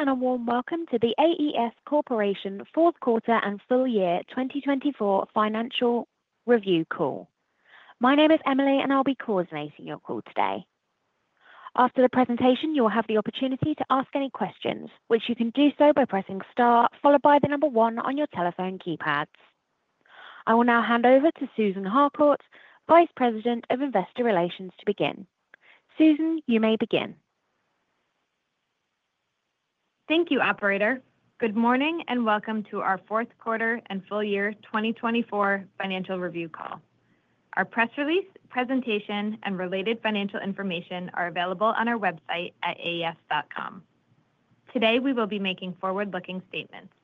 Hello, everyone, and a warm welcome to the AES Corporation Fourth Quarter and Full Year 2024 Financial Review Call. My name is Emily, and I'll be coordinating your call today. After the presentation, you'll have the opportunity to ask any questions, which you can do so by pressing star, followed by the number one on your telephone keypad. I will now hand over to Susan Harcourt, Vice President of Investor Relations, to begin. Susan, you may begin. Thank you, Operator. Good morning and welcome to our Fourth Quarter and Full Year 2024 Financial Review Call. Our press release, presentation, and related financial information are available on our website at aes.com. Today, we will be making forward-looking statements.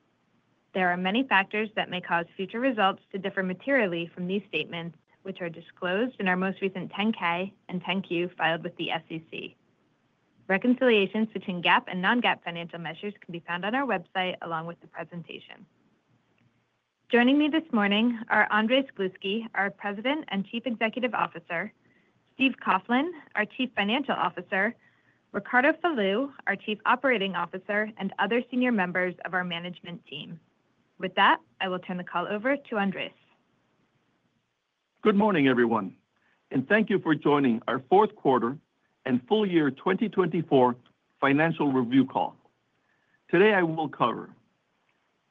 There are many factors that may cause future results to differ materially from these statements, which are disclosed in our most recent 10-K and 10-Q filed with the SEC. Reconciliations between GAAP and non-GAAP financial measures can be found on our website along with the presentation. Joining me this morning are Andrés Gluski, our President and Chief Executive Officer, Steve Coughlin, our Chief Financial Officer, Ricardo Falú, our Chief Operating Officer, and other senior members of our management team. With that, I will turn the call over to Andrés. Good morning, everyone, and thank you for joining our Fourth Quarter and Full Year 2024 Financial Review Call. Today, I will cover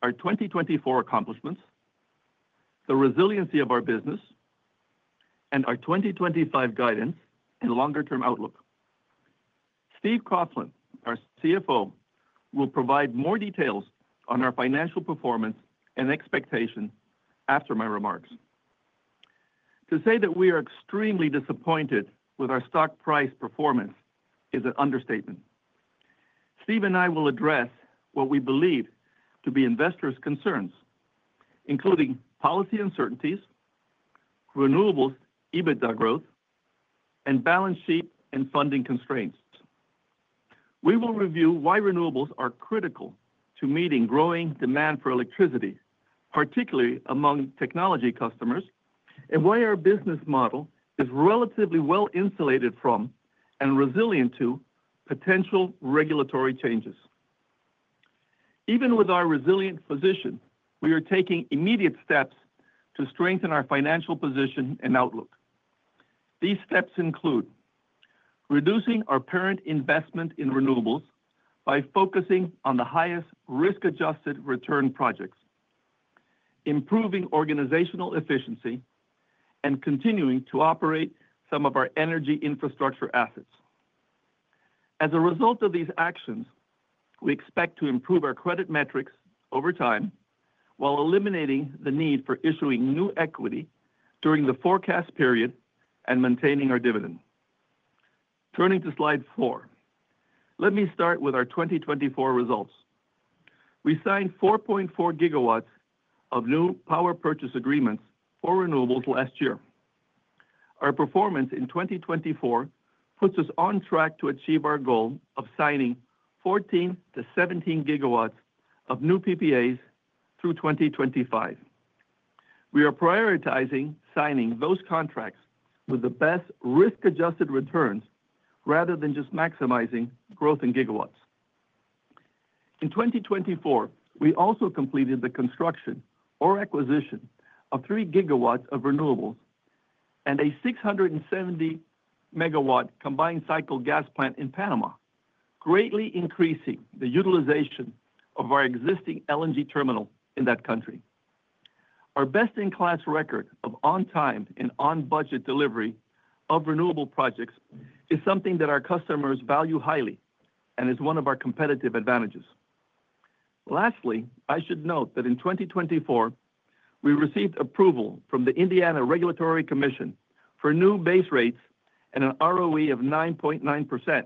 our 2024 accomplishments, the resiliency of our business, and our 2025 guidance and longer-term outlook. Steve Coughlin, our CFO, will provide more details on our financial performance and expectations after my remarks. To say that we are extremely disappointed with our stock price performance is an understatement. Steve and I will address what we believe to be investors' concerns, including policy uncertainties, renewables' EBITDA growth, and balance sheet and funding constraints. We will review why renewables are critical to meeting growing demand for electricity, particularly among technology customers, and why our business model is relatively well insulated from and resilient to potential regulatory changes. Even with our resilient position, we are taking immediate steps to strengthen our financial position and outlook. These steps include reducing our parent investment in renewables by focusing on the highest risk-adjusted return projects, improving organizational efficiency, and continuing to operate some of our energy infrastructure assets. As a result of these actions, we expect to improve our credit metrics over time while eliminating the need for issuing new equity during the forecast period and maintaining our dividend. Turning to slide four, let me start with our 2024 results. We signed 4.4 GW of new power purchase agreements for renewables last year. Our performance in 2024 puts us on track to achieve our goal of signing 14 to 17 GW of new PPAs through 2025. We are prioritizing signing those contracts with the best risk-adjusted returns rather than just maximizing growth in gigawatts. In 2024, we also completed the construction or acquisition of three GW of renewables and a 670 MW combined cycle gas plant in Panama, greatly increasing the utilization of our existing LNG terminal in that country. Our best-in-class record of on-time and on-budget delivery of renewable projects is something that our customers value highly and is one of our competitive advantages. Lastly, I should note that in 2024, we received approval from the Indiana Regulatory Commission for new base rates and an ROE of 9.9%,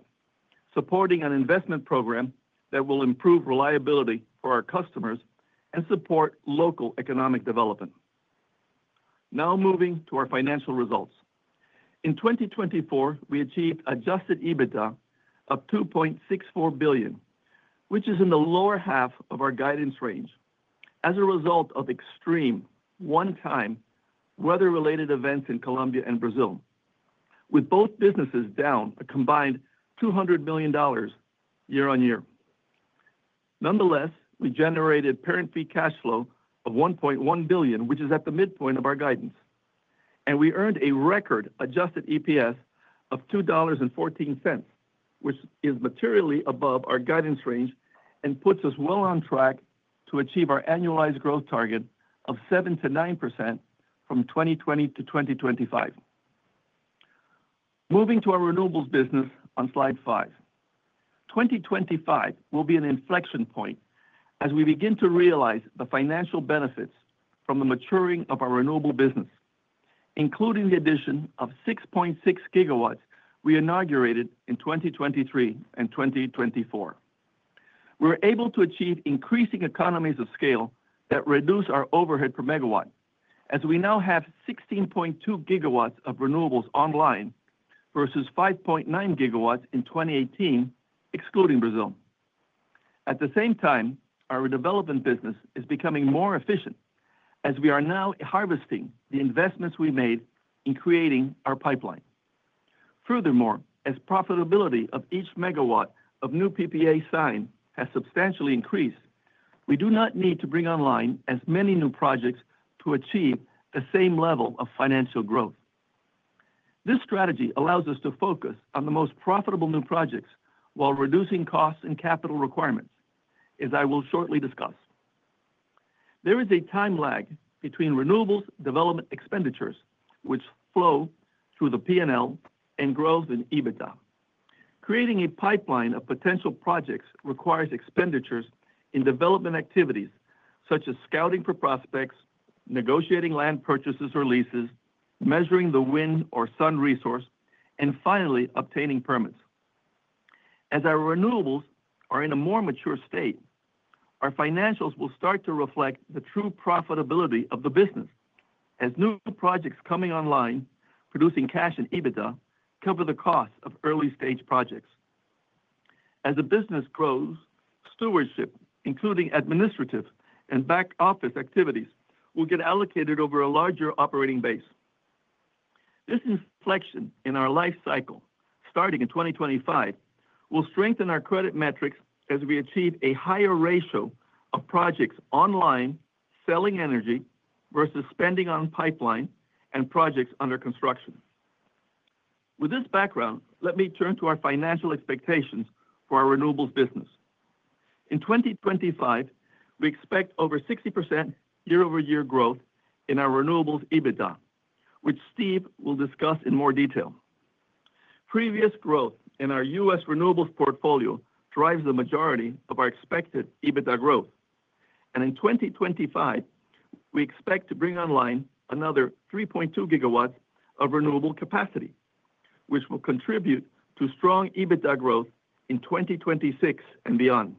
supporting an investment program that will improve reliability for our customers and support local economic development. Now moving to our financial results. In 2024, we achieved adjusted EBITDA of $2.64 billion, which is in the lower half of our guidance range as a result of extreme one-time weather-related events in Colombia and Brazil, with both businesses down a combined $200 million year-on-year. Nonetheless, we generated parent free cash flow of $1.1 billion, which is at the midpoint of our guidance, and we earned a record adjusted EPS of $2.14, which is materially above our guidance range and puts us well on track to achieve our annualized growth target of 7%-9% from 2020 to 2025. Moving to our renewables business on slide five, 2025 will be an inflection point as we begin to realize the financial benefits from the maturing of our renewable business, including the addition of 6.6 GW we inaugurated in 2023 and 2024. We were able to achieve increasing economies of scale that reduce our overhead per MW as we now have 16.2 GW of renewables online versus 5.9 GW in 2018, excluding Brazil. At the same time, our development business is becoming more efficient as we are now harvesting the investments we made in creating our pipeline. Furthermore, as profitability of each megawatt of new PPA signed has substantially increased, we do not need to bring online as many new projects to achieve the same level of financial growth. This strategy allows us to focus on the most profitable new projects while reducing costs and capital requirements, as I will shortly discuss. There is a time lag between renewables development expenditures, which flow through the P&L and growth in EBITDA. Creating a pipeline of potential projects requires expenditures in development activities such as scouting for prospects, negotiating land purchases or leases, measuring the wind or sun resource, and finally obtaining permits. As our renewables are in a more mature state, our financials will start to reflect the true profitability of the business as new projects coming online, producing cash and EBITDA, cover the costs of early-stage projects. As the business grows, stewardship, including administrative and back-office activities, will get allocated over a larger operating base. This inflection in our life cycle, starting in 2025, will strengthen our credit metrics as we achieve a higher ratio of projects online selling energy versus spending on pipeline and projects under construction. With this background, let me turn to our financial expectations for our renewables business. In 2025, we expect over 60% year-over-year growth in our renewables EBITDA, which Steve will discuss in more detail. Previous growth in our U.S. renewables portfolio drives the majority of our expected EBITDA growth, and in 2025, we expect to bring online another 3.2 GW of renewable capacity, which will contribute to strong EBITDA growth in 2026 and beyond.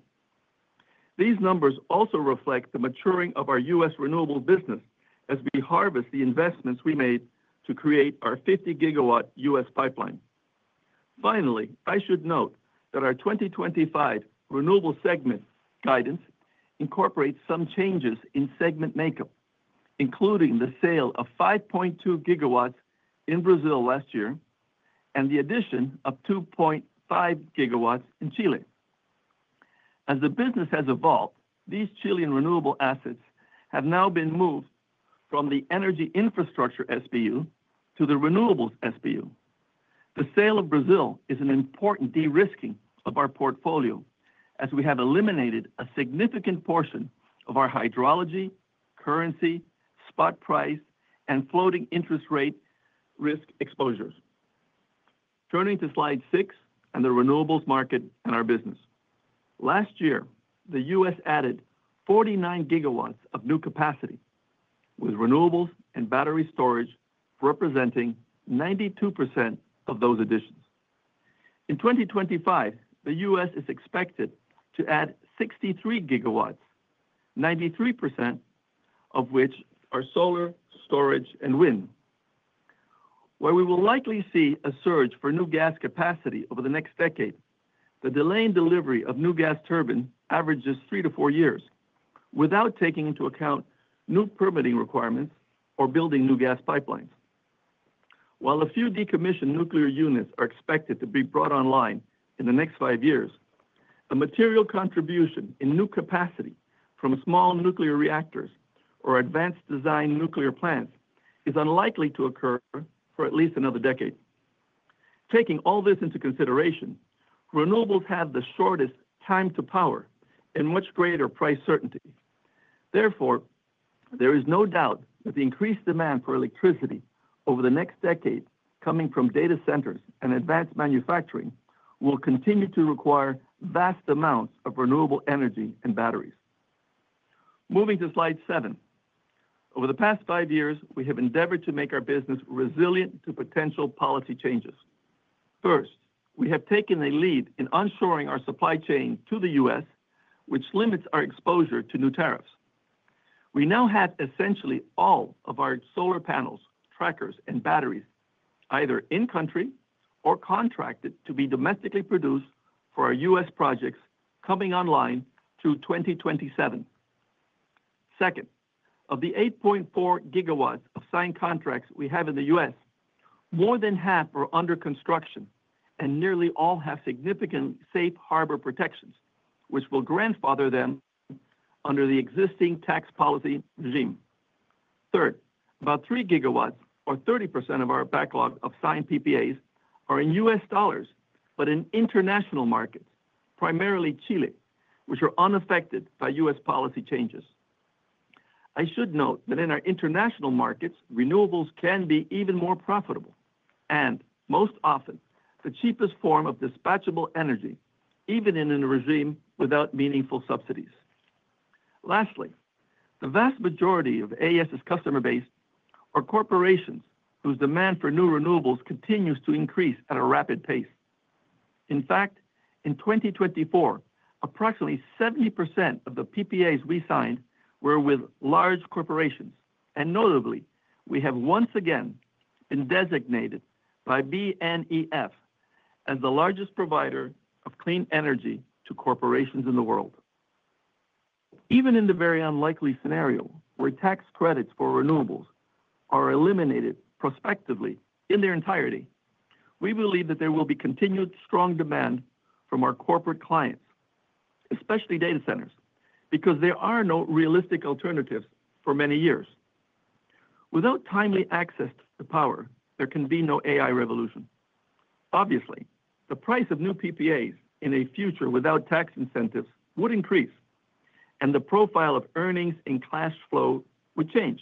These numbers also reflect the maturing of our U.S. renewable business as we harvest the investments we made to create our 50 GW U.S. pipeline. Finally, I should note that our 2025 renewable segment guidance incorporates some changes in segment makeup, including the sale of 5.2 GW in Brazil last year and the addition of 2.5 GW in Chile. As the business has evolved, these Chilean renewable assets have now been moved from the energy infrastructure SBU to the renewables SBU. The sale in Brazil is an important de-risking of our portfolio as we have eliminated a significant portion of our hydrology, currency, spot price, and floating interest rate risk exposures. Turning to slide six and the renewables market and our business. Last year, the U.S. added 49 GW of new capacity, with renewables and battery storage representing 92% of those additions. In 2025, the U.S. is expected to add 63 GW, 93% of which are solar, storage, and wind, where we will likely see a surge for new gas capacity over the next decade. The delay in delivery of new gas turbines averages three to four years without taking into account new permitting requirements or building new gas pipelines. While a few decommissioned nuclear units are expected to be brought online in the next five years, a material contribution in new capacity from small nuclear reactors or advanced design nuclear plants is unlikely to occur for at least another decade. Taking all this into consideration, renewables have the shortest time to power and much greater price certainty. Therefore, there is no doubt that the increased demand for electricity over the next decade coming from data centers and advanced manufacturing will continue to require vast amounts of renewable energy and batteries. Moving to slide seven, over the past five years, we have endeavored to make our business resilient to potential policy changes. First, we have taken a lead in onshoring our supply chain to the U.S., which limits our exposure to new tariffs. We now have essentially all of our solar panels, trackers, and batteries either in-country or contracted to be domestically produced for our U.S. projects coming online through 2027. Second, of the 8.4 GW of signed contracts we have in the U.S., more than half are under construction and nearly all have significant safe harbor protections, which will grandfather them under the existing tax policy regime. Third, about 3 GW or 30% of our backlog of signed PPAs are in U.S. dollars, but in international markets, primarily Chile, which are unaffected by U.S. policy changes. I should note that in our international markets, renewables can be even more profitable and, most often, the cheapest form of dispatchable energy, even in a regime without meaningful subsidies. Lastly, the vast majority of AES's customer base are corporations whose demand for new renewables continues to increase at a rapid pace. In fact, in 2024, approximately 70% of the PPAs we signed were with large corporations, and notably, we have once again been designated by BNEF as the largest provider of clean energy to corporations in the world. Even in the very unlikely scenario where tax credits for renewables are eliminated prospectively in their entirety, we believe that there will be continued strong demand from our corporate clients, especially data centers, because there are no realistic alternatives for many years. Without timely access to power, there can be no AI revolution. Obviously, the price of new PPAs in a future without tax incentives would increase, and the profile of earnings and cash flow would change.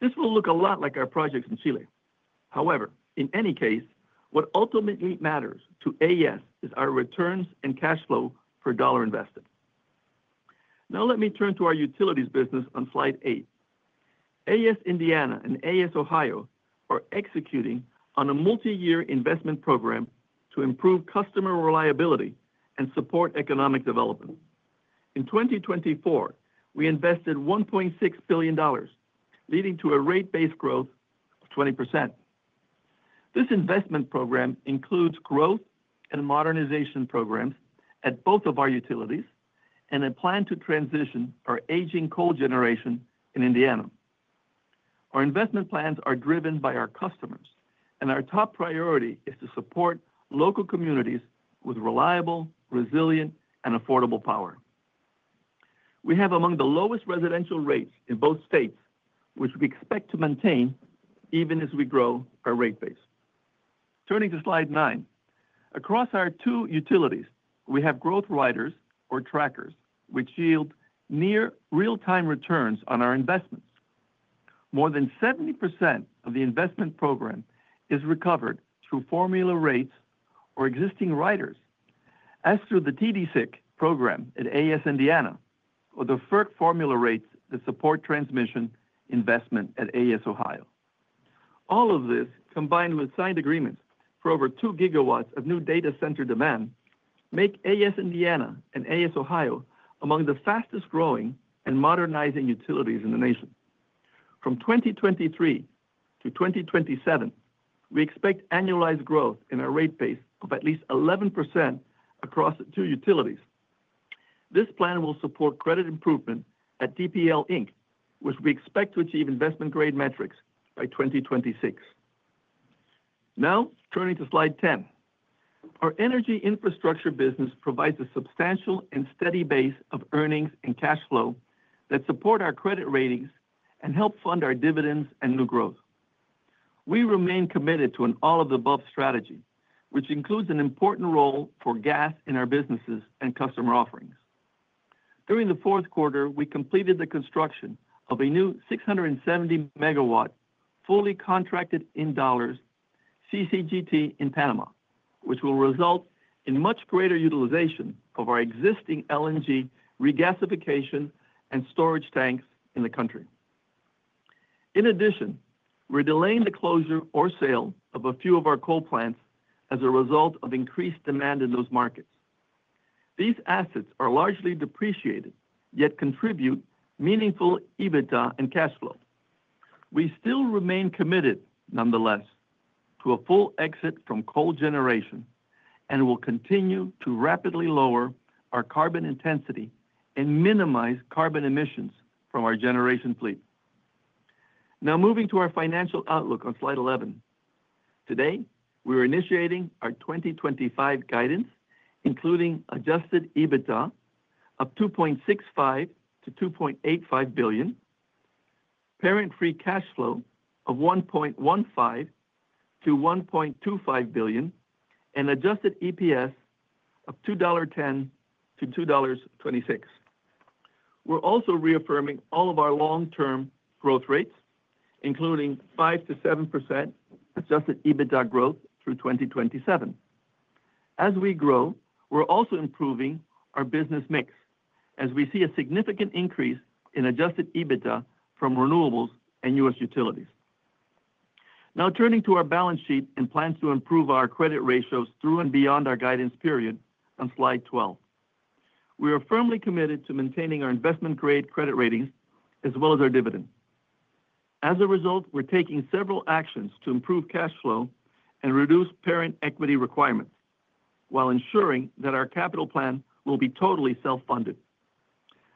This will look a lot like our projects in Chile. However, in any case, what ultimately matters to AES is our returns and cash flow per dollar invested. Now let me turn to our utilities business on slide eight. AES Indiana and AES Ohio are executing on a multi-year investment program to improve customer reliability and support economic development. In 2024, we invested $1.6 billion, leading to a rate-based growth of 20%. This investment program includes growth and modernization programs at both of our utilities and a plan to transition our aging coal generation in Indiana. Our investment plans are driven by our customers, and our top priority is to support local communities with reliable, resilient, and affordable power. We have among the lowest residential rates in both states, which we expect to maintain even as we grow our rate base. Turning to slide nine, across our two utilities, we have growth riders or trackers, which yield near real-time returns on our investments. More than 70% of the investment program is recovered through formula rates or existing riders, as through the TDSIC program at AES Indiana or the FERC formula rates that support transmission investment at AES Ohio. All of this, combined with signed agreements for over 2 GW of new data center demand, make AES Indiana and AES Ohio among the fastest growing and modernizing utilities in the nation. From 2023 to 2027, we expect annualized growth in our rate base of at least 11% across the two utilities. This plan will support credit improvement at DPL Inc., which we expect to achieve investment-grade metrics by 2026. Now turning to slide 10, our energy infrastructure business provides a substantial and steady base of earnings and cash flow that support our credit ratings and help fund our dividends and new growth. We remain committed to an all-of-the-above strategy, which includes an important role for gas in our businesses and customer offerings. During the fourth quarter, we completed the construction of a new 670 MW fully contracted in dollars CCGT in Panama, which will result in much greater utilization of our existing LNG regasification and storage tanks in the country. In addition, we're delaying the closure or sale of a few of our coal plants as a result of increased demand in those markets. These assets are largely depreciated, yet contribute meaningful EBITDA and cash flow. We still remain committed, nonetheless, to a full exit from coal generation and will continue to rapidly lower our carbon intensity and minimize carbon emissions from our generation fleet. Now moving to our financial outlook on slide 11. Today, we are initiating our 2025 guidance, including adjusted EBITDA of $2.65-$2.85 billion, Parent Free Cash Flow of $1.15 billion-$1.25 billion, and adjusted EPS of $2.10-$2.26. We're also reaffirming all of our long-term growth rates, including 5%-7% adjusted EBITDA growth through 2027. As we grow, we're also improving our business mix as we see a significant increase in adjusted EBITDA from renewables and U.S. utilities. Now turning to our balance sheet and plans to improve our credit ratios through and beyond our guidance period on slide 12. We are firmly committed to maintaining our investment-grade credit ratings as well as our dividends. As a result, we're taking several actions to improve cash flow and reduce parent equity requirements while ensuring that our capital plan will be totally self-funded.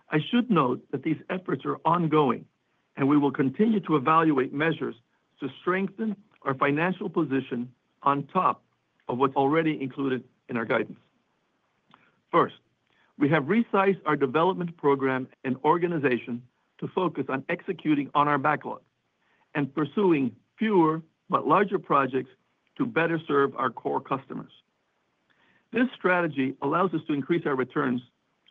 I should note that these efforts are ongoing, and we will continue to evaluate measures to strengthen our financial position on top of what's already included in our guidance. First, we have resized our development program and organization to focus on executing on our backlog and pursuing fewer but larger projects to better serve our core customers. This strategy allows us to increase our returns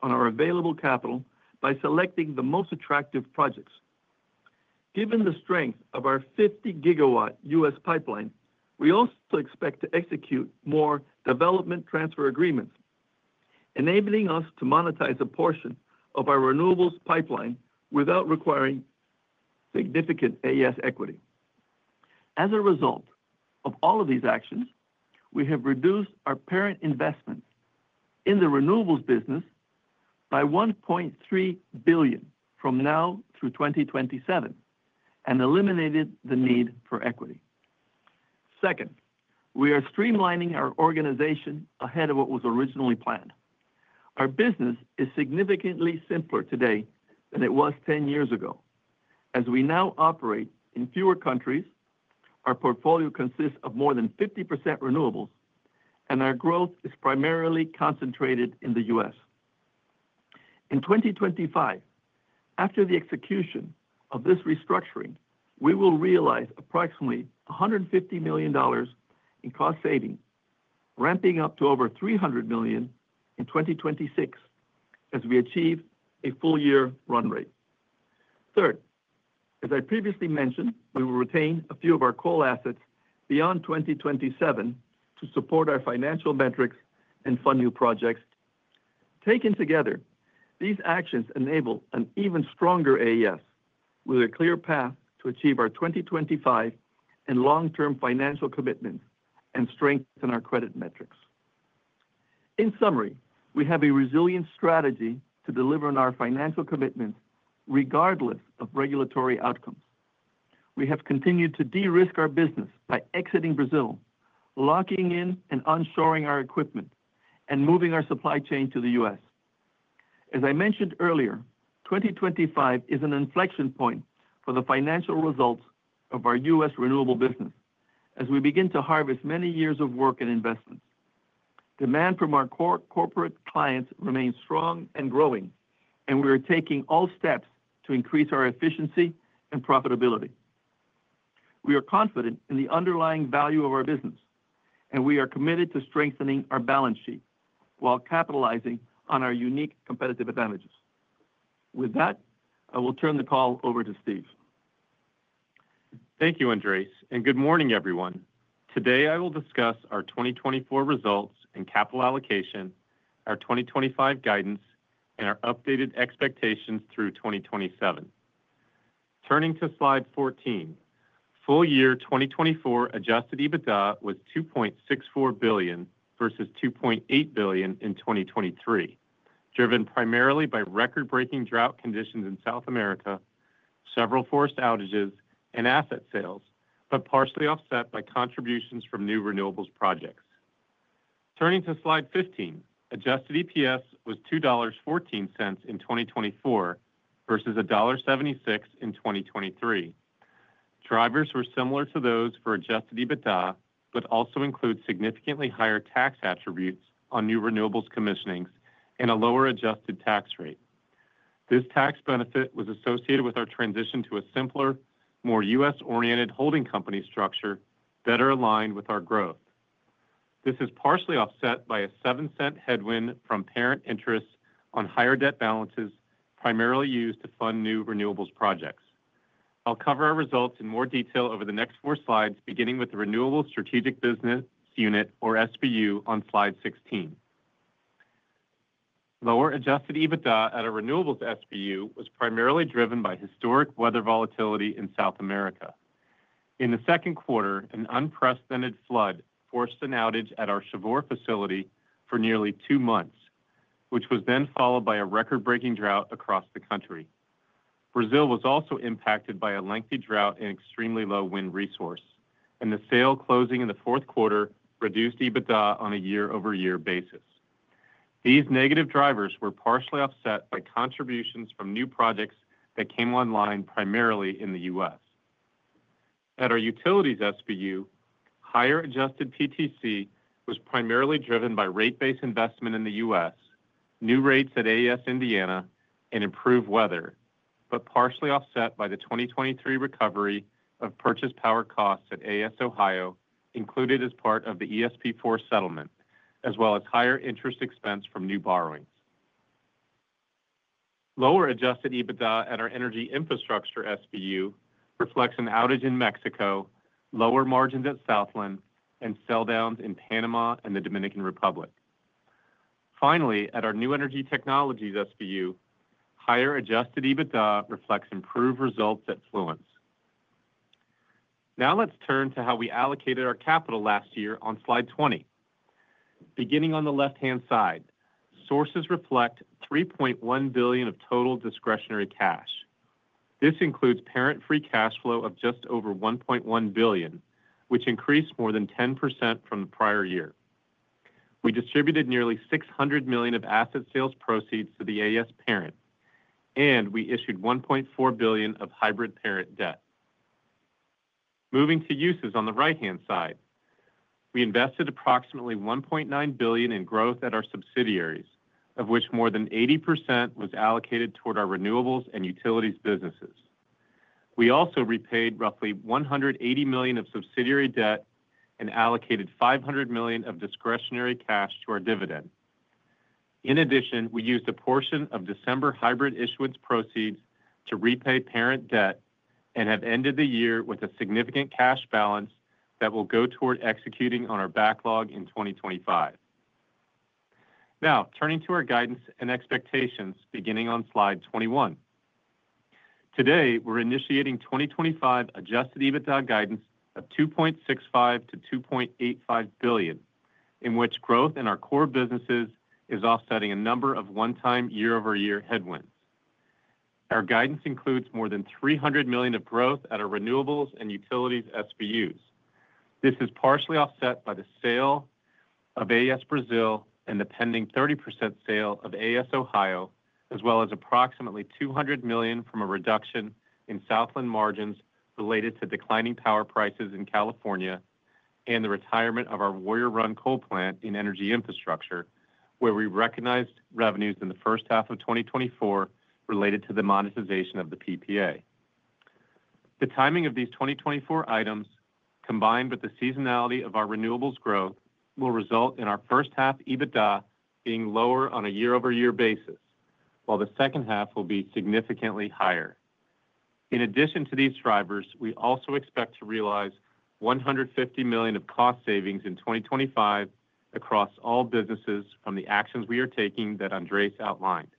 on our available capital by selecting the most attractive projects. Given the strength of our 50 GW U.S. pipeline, we also expect to execute more development transfer agreements, enabling us to monetize a portion of our renewables pipeline without requiring significant AES equity. As a result of all of these actions, we have reduced our parent investment in the renewables business by $1.3 billion from now through 2027 and eliminated the need for equity. Second, we are streamlining our organization ahead of what was originally planned. Our business is significantly simpler today than it was 10 years ago. As we now operate in fewer countries, our portfolio consists of more than 50% renewables, and our growth is primarily concentrated in the U.S. In 2025, after the execution of this restructuring, we will realize approximately $150 million in cost savings, ramping up to over $300 million in 2026 as we achieve a full-year run rate. Third, as I previously mentioned, we will retain a few of our coal assets beyond 2027 to support our financial metrics and fund new projects. Taken together, these actions enable an even stronger AES with a clear path to achieve our 2025 and long-term financial commitments and strengthen our credit metrics. In summary, we have a resilient strategy to deliver on our financial commitments regardless of regulatory outcomes. We have continued to de-risk our business by exiting Brazil, locking in and onshoring our equipment, and moving our supply chain to the U.S. As I mentioned earlier, 2025 is an inflection point for the financial results of our U.S. renewable business as we begin to harvest many years of work and investments. Demand from our corporate clients remains strong and growing, and we are taking all steps to increase our efficiency and profitability. We are confident in the underlying value of our business, and we are committed to strengthening our balance sheet while capitalizing on our unique competitive advantages. With that, I will turn the call over to Steve. Thank you, Andrés. Good morning, everyone. Today, I will discuss our 2024 results and capital allocation, our 2025 guidance, and our updated expectations through 2027. Turning to slide 14, full-year 2024 Adjusted EBITDA was $2.64 billion versus $2.8 billion in 2023, driven primarily by record-breaking drought conditions in South America, several forest outages, and asset sales, but partially offset by contributions from new renewables projects. Turning to slide 15, adjusted EPS was $2.14 in 2024 versus $1.76 in 2023. Drivers were similar to those for adjusted EBITDA, but also include significantly higher tax attributes on new renewables commissionings and a lower adjusted tax rate. This tax benefit was associated with our transition to a simpler, more U.S.-oriented holding company structure better aligned with our growth. This is partially offset by a $0.07 headwind from parent interests on higher debt balances primarily used to fund new renewables projects. I'll cover our results in more detail over the next four slides, beginning with the Renewables Strategic Business Unit, or SBU, on slide 16. Lower adjusted EBITDA at our renewables SBU was primarily driven by historic weather volatility in South America. In the second quarter, an unprecedented flood forced an outage at our Chivor facility for nearly two months, which was then followed by a record-breaking drought across the country. Brazil was also impacted by a lengthy drought and extremely low wind resource, and the sale closing in the fourth quarter reduced EBITDA on a year-over-year basis. These negative drivers were partially offset by contributions from new projects that came online primarily in the U.S. At our utilities SBU, higher adjusted PTC was primarily driven by rate-based investment in the U.S., new rates at AES Indiana, and improved weather, but partially offset by the 2023 recovery of purchase power costs at AES Ohio, included as part of the ESP4 settlement, as well as higher interest expense from new borrowings. Lower adjusted EBITDA at our energy infrastructure SBU reflects an outage in Mexico, lower margins at Southland, and sell-downs in Panama and the Dominican Republic. Finally, at our new energy technologies SBU, higher adjusted EBITDA reflects improved results at Fluence. Now let's turn to how we allocated our capital last year on slide 20. Beginning on the left-hand side, sources reflect $3.1 billion of total discretionary cash. This includes parent-free cash flow of just over $1.1 billion, which increased more than 10% from the prior year. We distributed nearly $600 million of asset sales proceeds to the AES parent, and we issued $1.4 billion of hybrid parent debt. Moving to uses on the right-hand side, we invested approximately $1.9 billion in growth at our subsidiaries, of which more than 80% was allocated toward our renewables and utilities businesses. We also repaid roughly $180 million of subsidiary debt and allocated $500 million of discretionary cash to our dividend. In addition, we used a portion of December hybrid issuance proceeds to repay parent debt and have ended the year with a significant cash balance that will go toward executing on our backlog in 2025. Now turning to our guidance and expectations, beginning on slide 21. Today, we're initiating 2025 Adjusted EBITDA guidance of $2.65 billion-$2.85 billion, in which growth in our core businesses is offsetting a number of one-time year-over-year headwinds. Our guidance includes more than $300 million of growth at our renewables and utilities SBUs. This is partially offset by the sale of AES Brazil and the pending 30% sale of AES Ohio, as well as approximately $200 million from a reduction in Southland margins related to declining power prices in California and the retirement of our Warrior Run coal plant in energy infrastructure, where we recognized revenues in the first half of 2024 related to the monetization of the PPA. The timing of these 2024 items, combined with the seasonality of our renewables growth, will result in our first half EBITDA being lower on a year-over-year basis, while the second half will be significantly higher. In addition to these drivers, we also expect to realize $150 million of cost savings in 2025 across all businesses from the actions we are taking that Andrés outlined.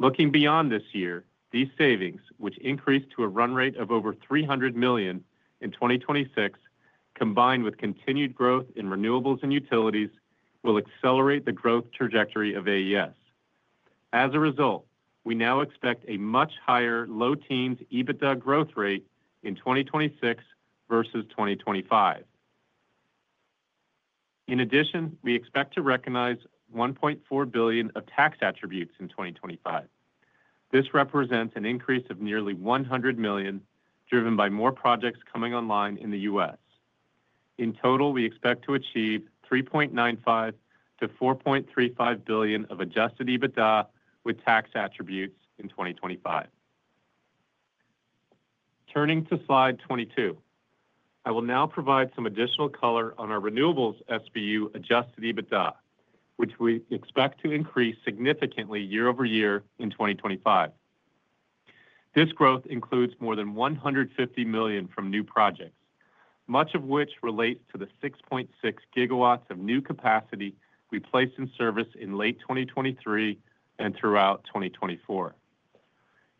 Looking beyond this year, these savings, which increased to a run rate of over $300 million in 2026, combined with continued growth in renewables and utilities, will accelerate the growth trajectory of AES. As a result, we now expect a much higher low-teens EBITDA growth rate in 2026 versus 2025. In addition, we expect to recognize $1.4 billion of tax attributes in 2025. This represents an increase of nearly $100 million driven by more projects coming online in the U.S. In total, we expect to achieve $3.95-$4.35 billion of Adjusted EBITDA with tax attributes in 2025. Turning to slide 22, I will now provide some additional color on our Renewables SBU Adjusted EBITDA, which we expect to increase significantly year-over-year in 2025. This growth includes more than $150 million from new projects, much of which relates to the 6.6 GW of new capacity we placed in service in late 2023 and throughout 2024.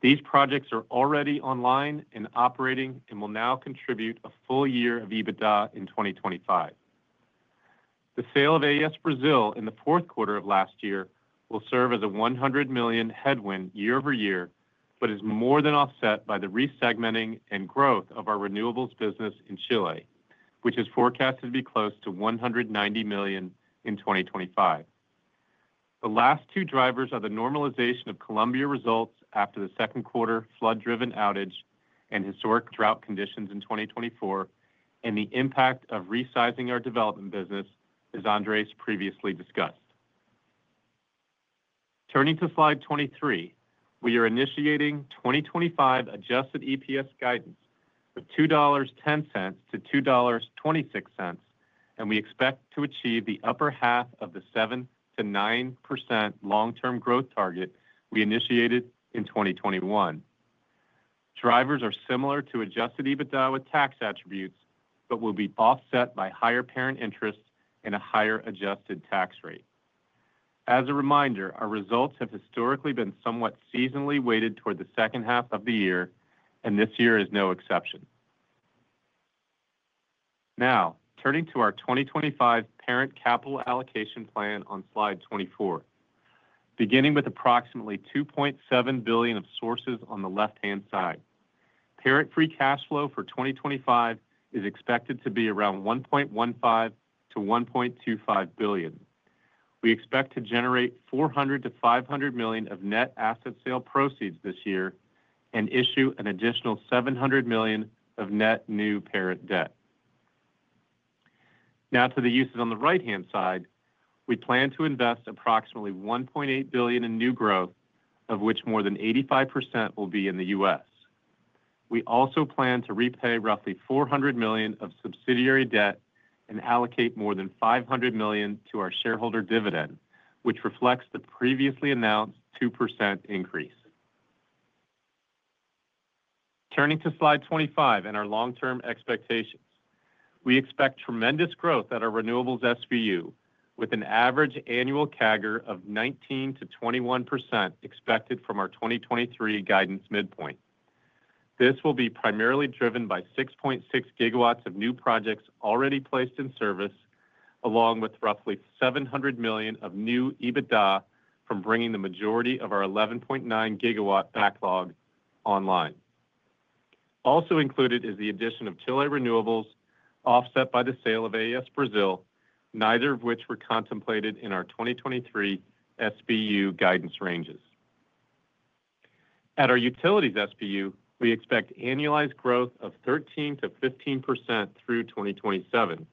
These projects are already online and operating and will now contribute a full year of EBITDA in 2025. The sale of AES Brazil in the fourth quarter of last year will serve as a $100 million headwind year-over-year, but is more than offset by the resegmenting and growth of our renewables business in Chile, which is forecasted to be close to $190 million in 2025. The last two drivers are the normalization of Colombia results after the second quarter flood-driven outage and historic drought conditions in 2024, and the impact of resizing our development business, as Andrés previously discussed. Turning to slide 23, we are initiating 2025 adjusted EPS guidance of $2.10-$2.26, and we expect to achieve the upper half of the 7%-9% long-term growth target we initiated in 2021. Drivers are similar to adjusted EBITDA with tax attributes, but will be offset by higher parent interests and a higher adjusted tax rate. As a reminder, our results have historically been somewhat seasonally weighted toward the second half of the year, and this year is no exception. Now, turning to our 2025 parent capital allocation plan on slide 24, beginning with approximately $2.7 billion of sources on the left-hand side. Parent free cash flow for 2025 is expected to be around $1.15 billion-$1.25 billion. We expect to generate $400-500 million of net asset sale proceeds this year and issue an additional $700 million of net new parent debt. Now, to the uses on the right-hand side, we plan to invest approximately $1.8 billion in new growth, of which more than 85% will be in the U.S. We also plan to repay roughly $400 million of subsidiary debt and allocate more than $500 million to our shareholder dividend, which reflects the previously announced 2% increase. Turning to slide 25 and our long-term expectations, we expect tremendous growth at our Renewables SBU, with an average annual CAGR of 19%-21% expected from our 2023 guidance midpoint. This will be primarily driven by 6.6 GW of new projects already placed in service, along with roughly $700 million of new EBITDA from bringing the majority of our 11.9 GW backlog online. Also included is the addition of Chile renewables, offset by the sale of AES Brazil, neither of which were contemplated in our 2023 SBU guidance ranges. At our utilities SBU, we expect annualized growth of 13%-15% through 2027,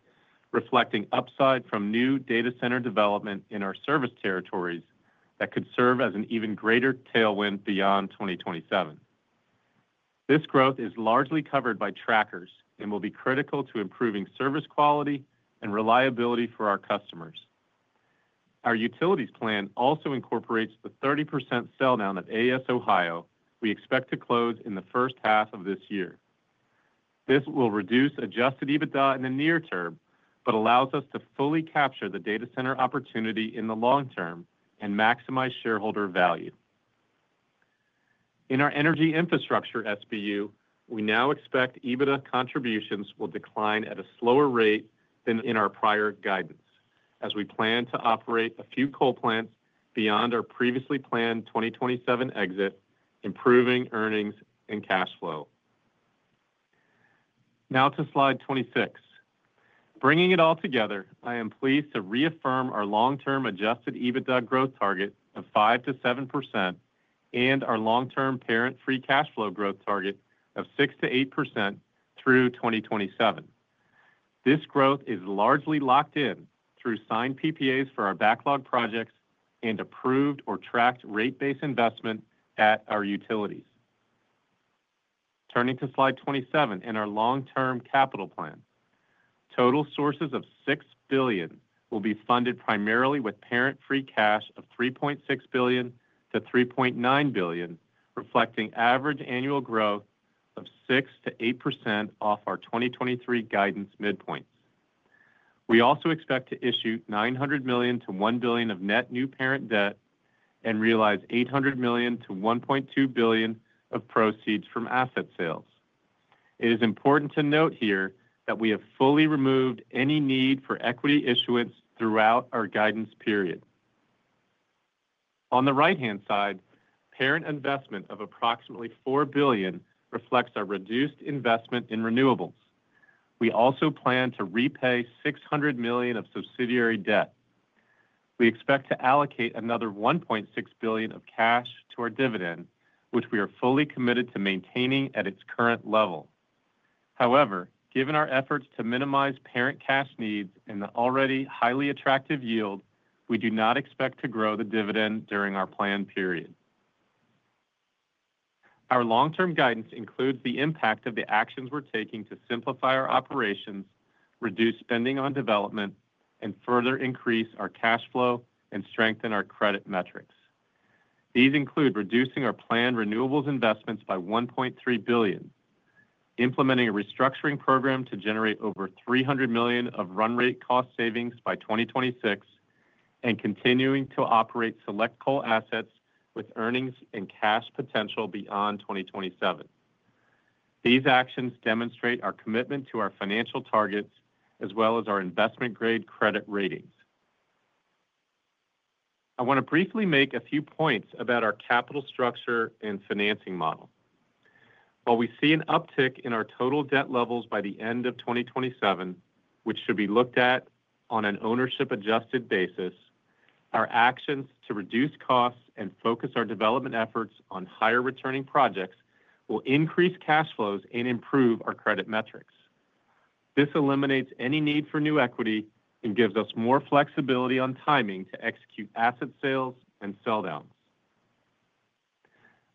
reflecting upside from new data center development in our service territories that could serve as an even greater tailwind beyond 2027. This growth is largely covered by trackers and will be critical to improving service quality and reliability for our customers. Our utilities plan also incorporates the 30% sell-down at AES Ohio we expect to close in the first half of this year. This will reduce Adjusted EBITDA in the near term, but allows us to fully capture the data center opportunity in the long term and maximize shareholder value. In our energy infrastructure SBU, we now expect EBITDA contributions will decline at a slower rate than in our prior guidance, as we plan to operate a few coal plants beyond our previously planned 2027 exit, improving earnings and cash flow. Now to slide 26. Bringing it all together, I am pleased to reaffirm our long-term Adjusted EBITDA growth target of 5%-7% and our long-term Parent Free Cash Flow growth target of 6%-8% through 2027. This growth is largely locked in through signed PPAs for our backlog projects and approved or tracked rate-based investment at our utilities. Turning to slide 27 and our long-term capital plan, total sources of $6 billion will be funded primarily with Parent Free Cash of $3.6 billion-$3.9 billion, reflecting average annual growth of 6%-8% off our 2023 guidance midpoints. We also expect to issue $900 million to $1 billion of net new parent debt and realize $800 million to $1.2 billion of proceeds from asset sales. It is important to note here that we have fully removed any need for equity issuance throughout our guidance period. On the right-hand side, parent investment of approximately $4 billion reflects our reduced investment in renewables. We also plan to repay $600 million of subsidiary debt. We expect to allocate another $1.6 billion of cash to our dividend, which we are fully committed to maintaining at its current level. However, given our efforts to minimize parent cash needs and the already highly attractive yield, we do not expect to grow the dividend during our planned period. Our long-term guidance includes the impact of the actions we're taking to simplify our operations, reduce spending on development, and further increase our cash flow and strengthen our credit metrics. These include reducing our planned renewables investments by $1.3 billion, implementing a restructuring program to generate over $300 million of run rate cost savings by 2026, and continuing to operate select coal assets with earnings and cash potential beyond 2027. These actions demonstrate our commitment to our financial targets as well as our investment-grade credit ratings. I want to briefly make a few points about our capital structure and financing model. While we see an uptick in our total debt levels by the end of 2027, which should be looked at on an ownership-adjusted basis, our actions to reduce costs and focus our development efforts on higher-returning projects will increase cash flows and improve our credit metrics. This eliminates any need for new equity and gives us more flexibility on timing to execute asset sales and sell-downs.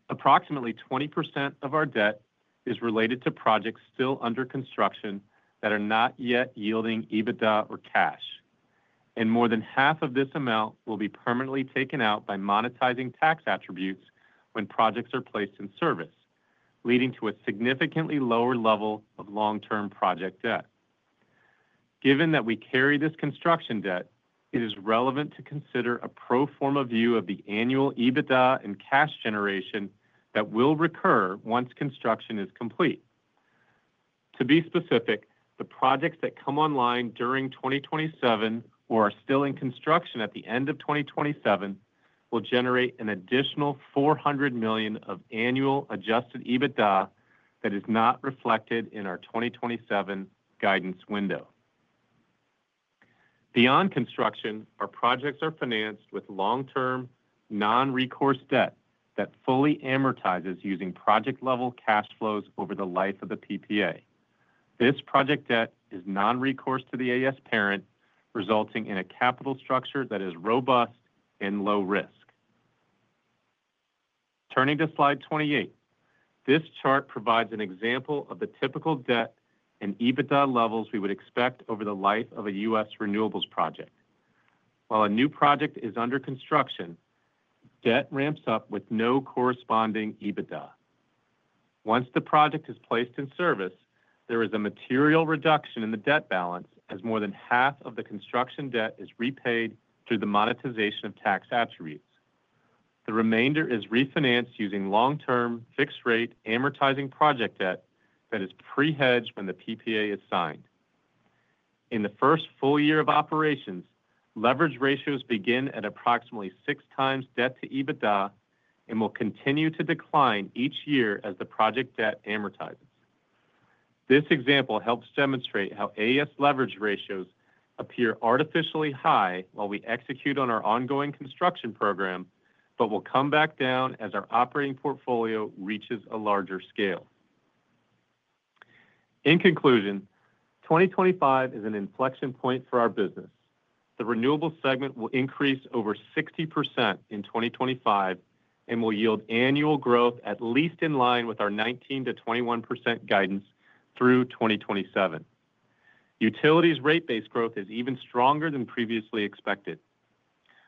Approximately 20% of our debt is related to projects still under construction that are not yet yielding EBITDA or cash, and more than half of this amount will be permanently taken out by monetizing tax attributes when projects are placed in service, leading to a significantly lower level of long-term project debt. Given that we carry this construction debt, it is relevant to consider a pro forma view of the annual EBITDA and cash generation that will recur once construction is complete. To be specific, the projects that come online during 2027 or are still in construction at the end of 2027 will generate an additional $400 million of annual adjusted EBITDA that is not reflected in our 2027 guidance window. Beyond construction, our projects are financed with long-term non-recourse debt that fully amortizes using project-level cash flows over the life of the PPA. This project debt is non-recourse to the AES parent, resulting in a capital structure that is robust and low-risk. Turning to slide 28, this chart provides an example of the typical debt and EBITDA levels we would expect over the life of a U.S. renewables project. While a new project is under construction, debt ramps up with no corresponding EBITDA. Once the project is placed in service, there is a material reduction in the debt balance as more than half of the construction debt is repaid through the monetization of tax attributes. The remainder is refinanced using long-term fixed-rate amortizing project debt that is pre-hedged when the PPA is signed. In the first full year of operations, leverage ratios begin at approximately six times debt to EBITDA and will continue to decline each year as the project debt amortizes. This example helps demonstrate how AES leverage ratios appear artificially high while we execute on our ongoing construction program, but will come back down as our operating portfolio reaches a larger scale. In conclusion, 2025 is an inflection point for our business. The renewables segment will increase over 60% in 2025 and will yield annual growth at least in line with our 19%-21% guidance through 2027. Utilities rate-based growth is even stronger than previously expected,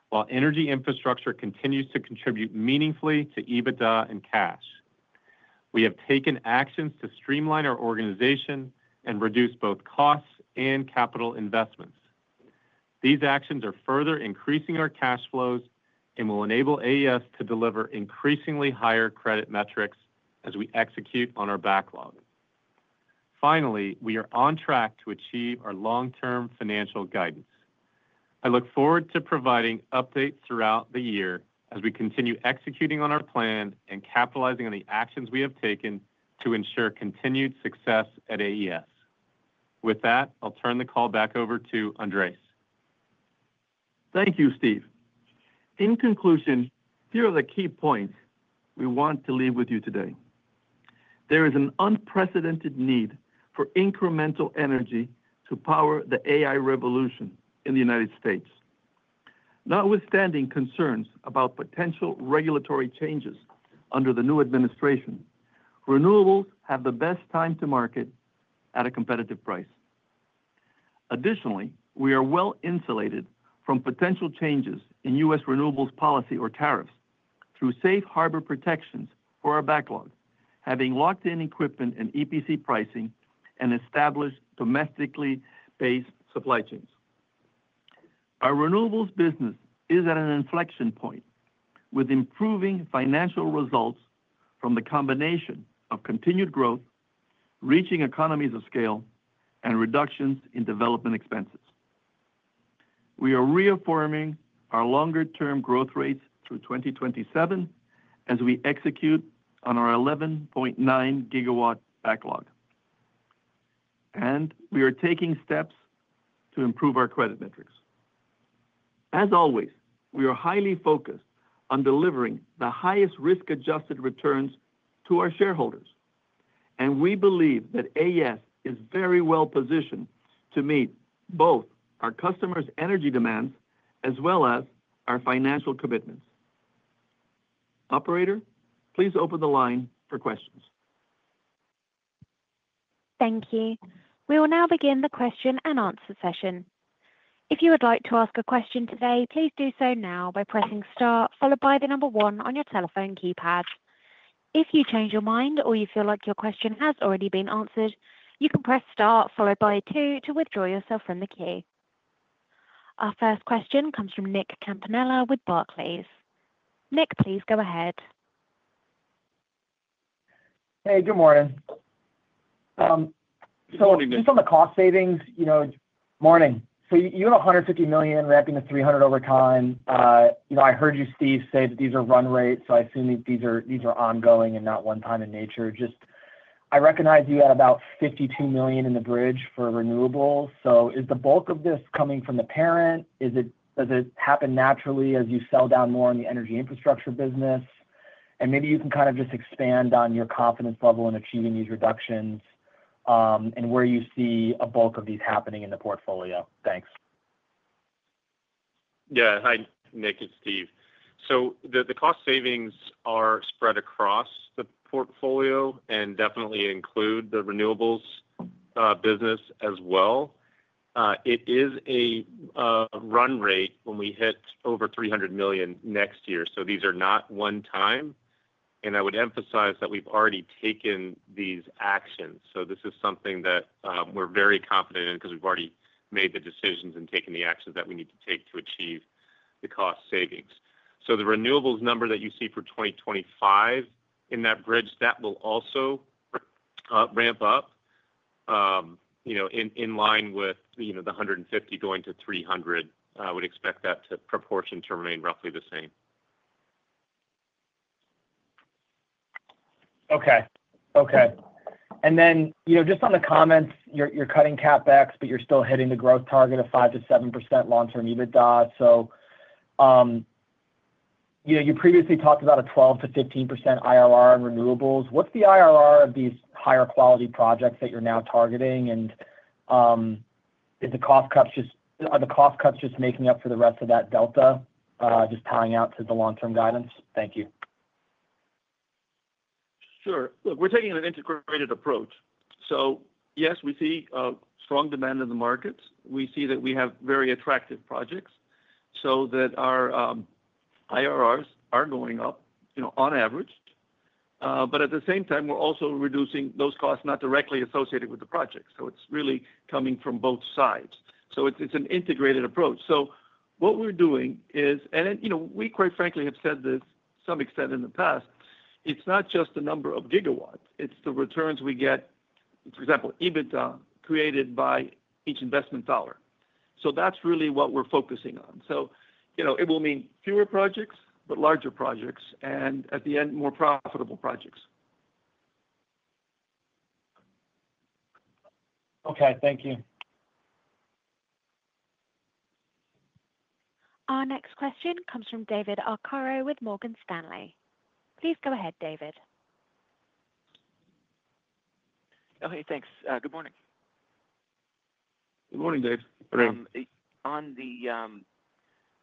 while energy infrastructure continues to contribute meaningfully to EBITDA and cash. We have taken actions to streamline our organization and reduce both costs and capital investments. These actions are further increasing our cash flows and will enable AES to deliver increasingly higher credit metrics as we execute on our backlog. Finally, we are on track to achieve our long-term financial guidance. I look forward to providing updates throughout the year as we continue executing on our plan and capitalizing on the actions we have taken to ensure continued success at AES. With that, I'll turn the call back over to Andrés. Thank you, Steve. In conclusion, here are the key points we want to leave with you today. There is an unprecedented need for incremental energy to power the AI revolution in the United States. Notwithstanding concerns about potential regulatory changes under the new administration, renewables have the best time to market at a competitive price. Additionally, we are well insulated from potential changes in U.S. renewables policy or tariffs through safe harbor protections for our backlog, having locked-in equipment and EPC pricing and established domestically based supply chains. Our renewables business is at an inflection point with improving financial results from the combination of continued growth, reaching economies of scale, and reductions in development expenses. We are reaffirming our longer-term growth rates through 2027 as we execute on our 11.9 GW backlog, and we are taking steps to improve our credit metrics. As always, we are highly focused on delivering the highest risk-adjusted returns to our shareholders, and we believe that AES is very well positioned to meet both our customers' energy demands as well as our financial commitments. Operator, please open the line for questions. Thank you. We will now begin the question and answer session. If you would like to ask a question today, please do so now by pressing star, followed by the number one on your telephone keypad. If you change your mind or you feel like your question has already been answered, you can press star, followed by two to withdraw yourself from the queue. Our first question comes from Nick Campanella with Barclays. Nick, please go ahead. Hey, good morning. So just on the cost savings, you know. So you have $150 million wrapping the $300 million over time. You know, I heard you, Steve, say that these are run rates, so I assume these are ongoing and not one-time in nature. Just I recognize you had about $52 million in the bridge for renewables. So is the bulk of this coming from the parent? Does it happen naturally as you sell down more in the energy infrastructure business? And maybe you can kind of just expand on your confidence level in achieving these reductions and where you see a bulk of these happening in the portfolio. Thanks. Yeah, hi, Nick and Steve. So the cost savings are spread across the portfolio and definitely include the renewables business as well. It is a run rate when we hit over $300 million next year. So these are not one-time, and I would emphasize that we've already taken these actions. So this is something that we're very confident in because we've already made the decisions and taken the actions that we need to take to achieve the cost savings. So the renewables number that you see for 2025 in that bridge, that will also ramp up, you know, in line with, you know, the 150 going to 300. I would expect that proportion to remain roughly the same. Okay. Okay. And then, you know, just on the comments, you're cutting CapEx, but you're still hitting the growth target of 5%-7% long-term EBITDA. So, you know, you previously talked about a 12%-15% IRR on renewables. What's the IRR of these higher-quality projects that you're now targeting? And is the cost cuts just making up for the rest of that delta, just tying out to the long-term guidance? Thank you. Sure. Look, we're taking an integrated approach. So yes, we see strong demand in the markets. We see that we have very attractive projects so that our IRRs are going up, you know, on average. But at the same time, we're also reducing those costs not directly associated with the project. So it's really coming from both sides. So it's an integrated approach. So what we're doing is, and then, you know, we quite frankly have said this to some extent in the past, it's not just the number of gigawatts, it's the returns we get, for example, EBITDA created by each investment dollar. So that's really what we're focusing on. So, you know, it will mean fewer projects, but larger projects, and at the end, more profitable projects. Okay. Thank you. Our next question comes from David Arcaro with Morgan Stanley. Please go ahead, David. Okay. Thanks. Good morning. Good morning, Dave. Good morning. On the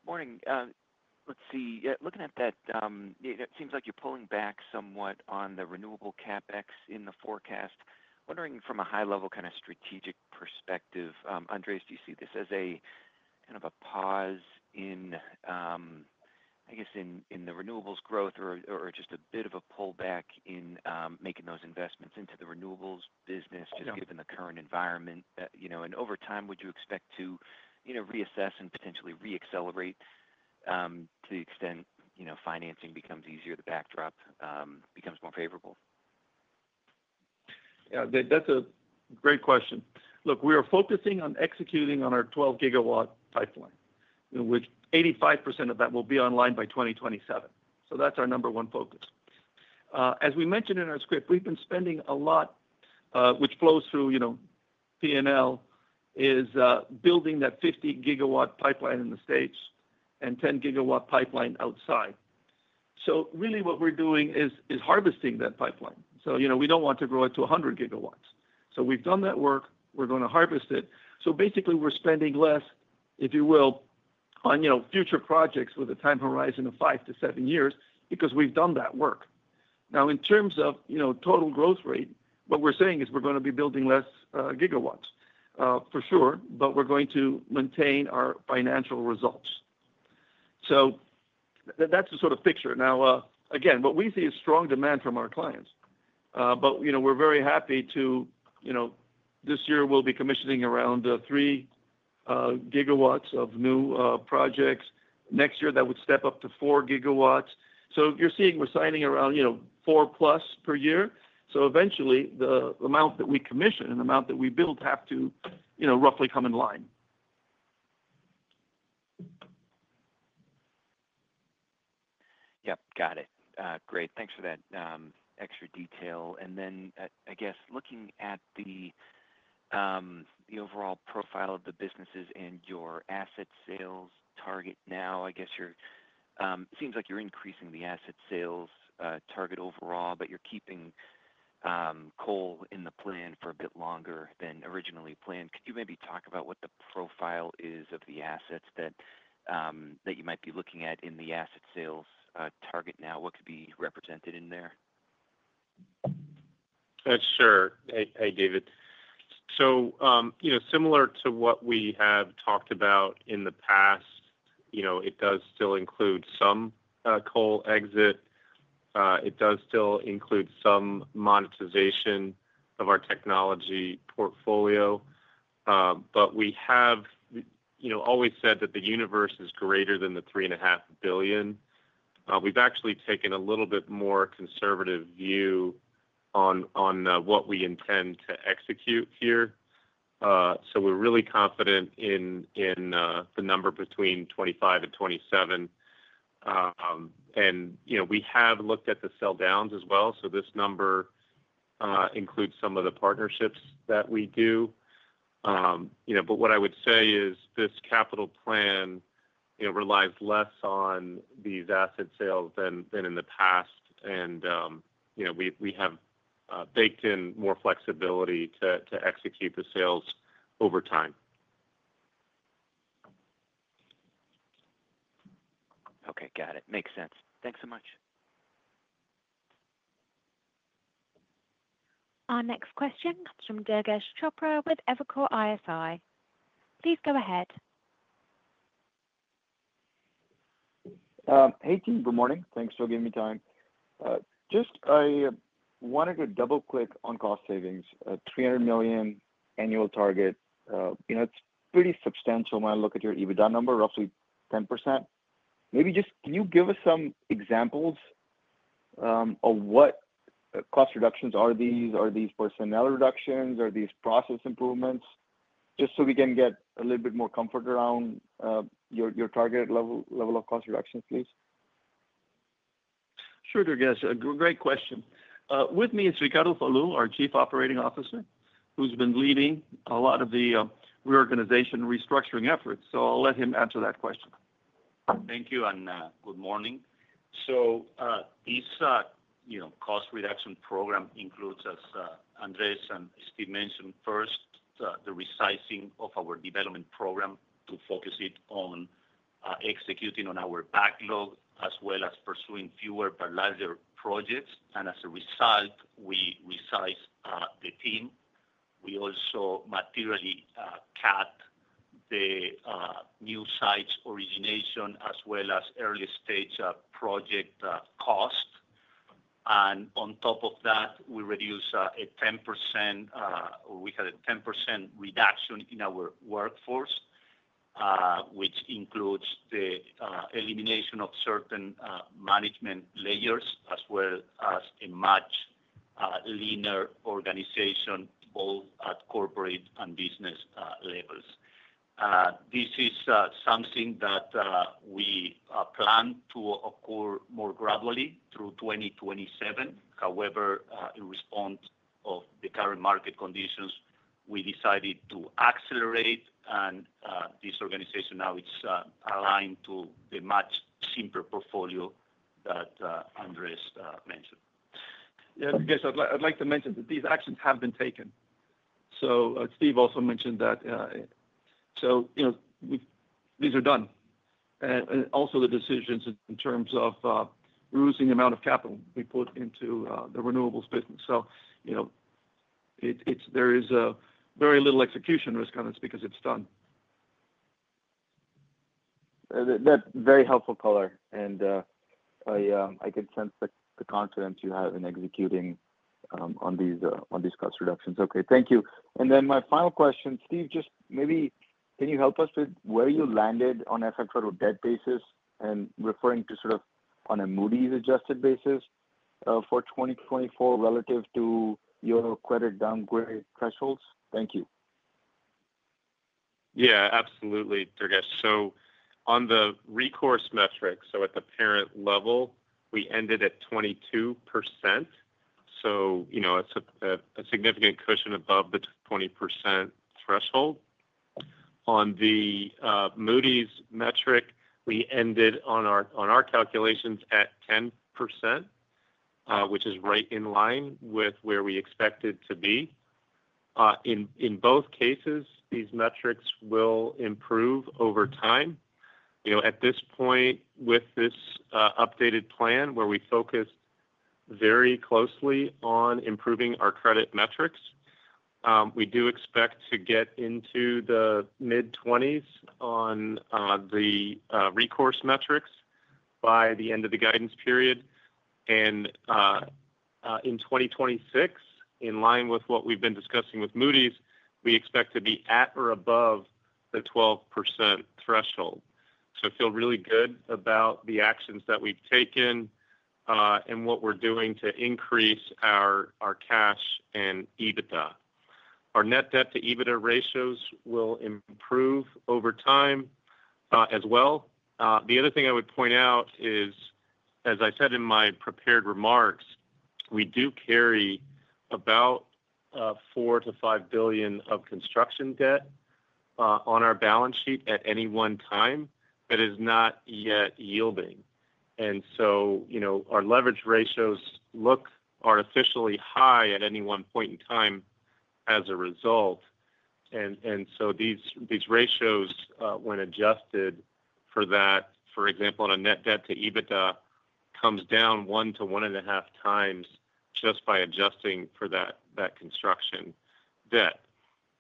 morning, let's see. Looking at that, it seems like you're pulling back somewhat on the renewable CapEx in the forecast. Wondering from a high-level kind of strategic perspective, Andrés, do you see this as a kind of a pause in, I guess, in the renewables growth or just a bit of a pullback in making those investments into the renewables business, just given the current environment? You know, and over time, would you expect to, you know, reassess and potentially re-accelerate to the extent, you know, financing becomes easier, the backdrop becomes more favorable? Yeah, that's a great question. Look, we are focusing on executing on our 12 GW pipeline, in which 85% of that will be online by 2027. So that's our number one focus. As we mentioned in our script, we've been spending a lot, which flows through, you know, P&L, is building that 50 GW pipeline in the States and 10 GW pipeline outside. Really what we're doing is harvesting that pipeline. You know, we don't want to grow it to 100 GW. We've done that work. We're going to harvest it. Basically, we're spending less, if you will, on, you know, future projects with a time horizon of five to seven years because we've done that work. Now, in terms of, you know, total growth rate, what we're saying is we're going to be building less gigawatts for sure, but we're going to maintain our financial results. That's the sort of picture. Now, again, what we see is strong demand from our clients, but, you know, we're very happy to, you know, this year we'll be commissioning around three GW of new projects. Next year, that would step up to four GW. So you're seeing we're signing around, you know, four plus per year. So eventually, the amount that we commission and the amount that we build have to, you know, roughly come in line. Yep. Got it. Great. Thanks for that extra detail. And then, I guess, looking at the overall profile of the businesses and your asset sales target now, I guess it seems like you're increasing the asset sales target overall, but you're keeping coal in the plan for a bit longer than originally planned. Could you maybe talk about what the profile is of the assets that you might be looking at in the asset sales target now? What could be represented in there? Sure. Hey, David. So, you know, similar to what we have talked about in the past, you know, it does still include some coal exit. It does still include some monetization of our technology portfolio. But we have, you know, always said that the universe is greater than the $3.5 billion. We've actually taken a little bit more conservative view on what we intend to execute here. So we're really confident in the number between $2.5 billion and $2.7 billion. And, you know, we have looked at the sell-downs as well. So this number includes some of the partnerships that we do. You know, but what I would say is this capital plan, you know, relies less on these asset sales than in the past. And, you know, we have baked in more flexibility to execute the sales over time. Okay. Got it. Makes sense. Thanks so much. Our next question comes from Durgesh Chopra with Evercore ISI. Please go ahead. Hey, team. Good morning. Thanks for giving me time. Just I wanted to double-click on cost savings. $300 million annual target. You know, it's pretty substantial when I look at your EBITDA number, roughly 10%. Maybe just can you give us some examples of what cost reductions are these? Are these personnel reductions? Are these process improvements? Just so we can get a little bit more comfort around your target level of cost reductions, please. Sure, Durgesh. Great question. With me is Ricardo Falú, our Chief Operating Officer, who's been leading a lot of the reorganization and restructuring efforts. So I'll let him answer that question. Thank you and good morning. This, you know, cost reduction program includes, as Andrés and Steve mentioned first, the resizing of our development program to focus it on executing on our backlog as well as pursuing fewer but larger projects. As a result, we resize the team. We also materially cut the new sites' origination as well as early-stage project cost. On top of that, we reduce a 10% or we had a 10% reduction in our workforce, which includes the elimination of certain management layers as well as a much leaner organization both at corporate and business levels. This is something that we plan to occur more gradually through 2027. However, in response to the current market conditions, we decided to accelerate and this organization now is aligned to the much simpler portfolio that Andrés mentioned. Yeah, I guess I'd like to mention that these actions have been taken. So Steve also mentioned that. So, you know, these are done. And also the decisions in terms of reducing the amount of capital we put into the renewables business. So, you know, there is very little execution risk on this because it's done. That's very helpful, color. And I can sense the confidence you have in executing on these cost reductions. Okay. Thank you. And then my final question, Steve, just maybe can you help us with where you landed on an FFO to debt basis and referring to sort of on a Moody's adjusted basis for 2024 relative to your credit downgrade thresholds? Thank you. Yeah, absolutely, Durgesh. So on the recourse metric, so at the parent level, we ended at 22%. So, you know, it's a significant cushion above the 20% threshold. On the Moody's metric, we ended on our calculations at 10%, which is right in line with where we expected to be. In both cases, these metrics will improve over time. You know, at this point with this updated plan where we focused very closely on improving our credit metrics, we do expect to get into the mid-20s on the recourse metrics by the end of the guidance period. And in 2026, in line with what we've been discussing with Moody's, we expect to be at or above the 12% threshold. So feel really good about the actions that we've taken and what we're doing to increase our cash and EBITDA. Our net debt to EBITDA ratios will improve over time as well. The other thing I would point out is, as I said in my prepared remarks, we do carry about $4 billion-$5 billion of construction debt on our balance sheet at any one time that is not yet yielding. And so, you know, our leverage ratios look artificially high at any one point in time as a result. And so these ratios, when adjusted for that, for example, on a net debt to EBITDA, come down one to one and a half times just by adjusting for that construction debt.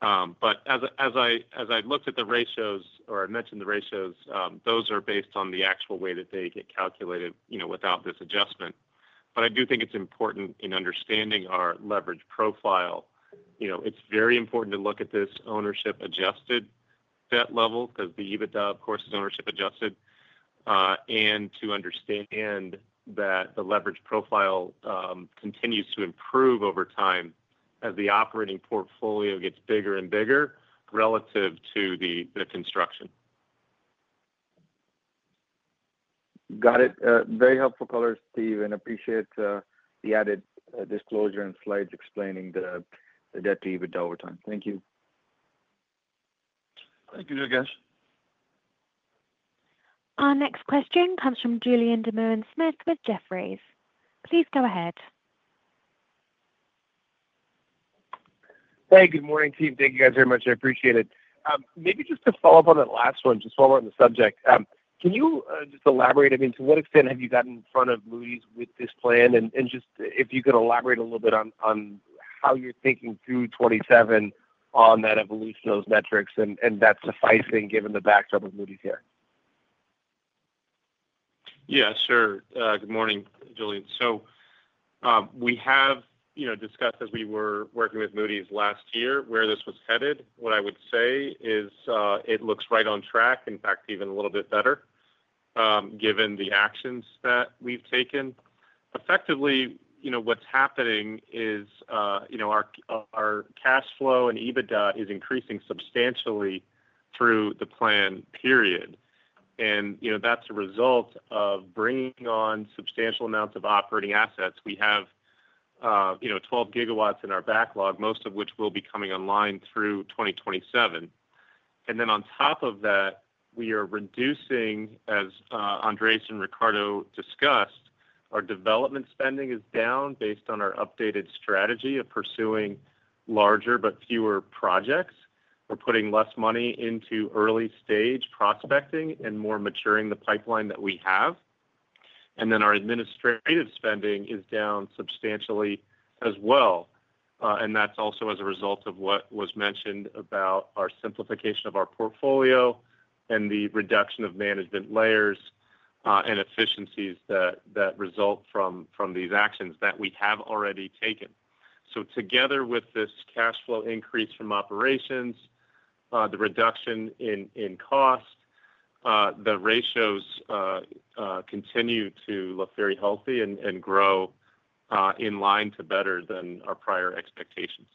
But as I looked at the ratios or I mentioned the ratios, those are based on the actual way that they get calculated, you know, without this adjustment. But I do think it's important in understanding our leverage profile. You know, it's very important to look at this ownership-adjusted debt level because the EBITDA, of course, is ownership-adjusted. And to understand that the leverage profile continues to improve over time as the operating portfolio gets bigger and bigger relative to the construction. Got it. Very helpful color, Steve. And appreciate the added disclosure and slides explaining the debt to EBITDA over time. Thank you. Thank you, Durgesh. Our next question comes from Julien Dumoulin-Smith with Jefferies. Please go ahead. Hey, good morning, team. Thank you guys very much. I appreciate it. Maybe just to follow up on that last one, just while we're on the subject, can you just elaborate? I mean, to what extent have you gotten in front of Moody's with this plan? And just if you could elaborate a little bit on how you're thinking through 2027 on that evolution of those metrics and that sufficing given the backdrop of Moody's here. Yeah, sure. Good morning, Julien. So we have, you know, discussed as we were working with Moody's last year where this was headed. What I would say is it looks right on track. In fact, even a little bit better given the actions that we've taken. Effectively, you know, what's happening is, you know, our cash flow and EBITDA is increasing substantially through the plan period. And, you know, that's a result of bringing on substantial amounts of operating assets. We have, you know, 12 GW in our backlog, most of which will be coming online through 2027. And then on top of that, we are reducing, as Andrés and Ricardo discussed, our development spending is down based on our updated strategy of pursuing larger but fewer projects. We're putting less money into early-stage prospecting and more maturing the pipeline that we have. And then our administrative spending is down substantially as well. That's also as a result of what was mentioned about our simplification of our portfolio and the reduction of management layers and efficiencies that result from these actions that we have already taken. So together with this cash flow increase from operations, the reduction in cost, the ratios continue to look very healthy and grow in line to better than our prior expectations.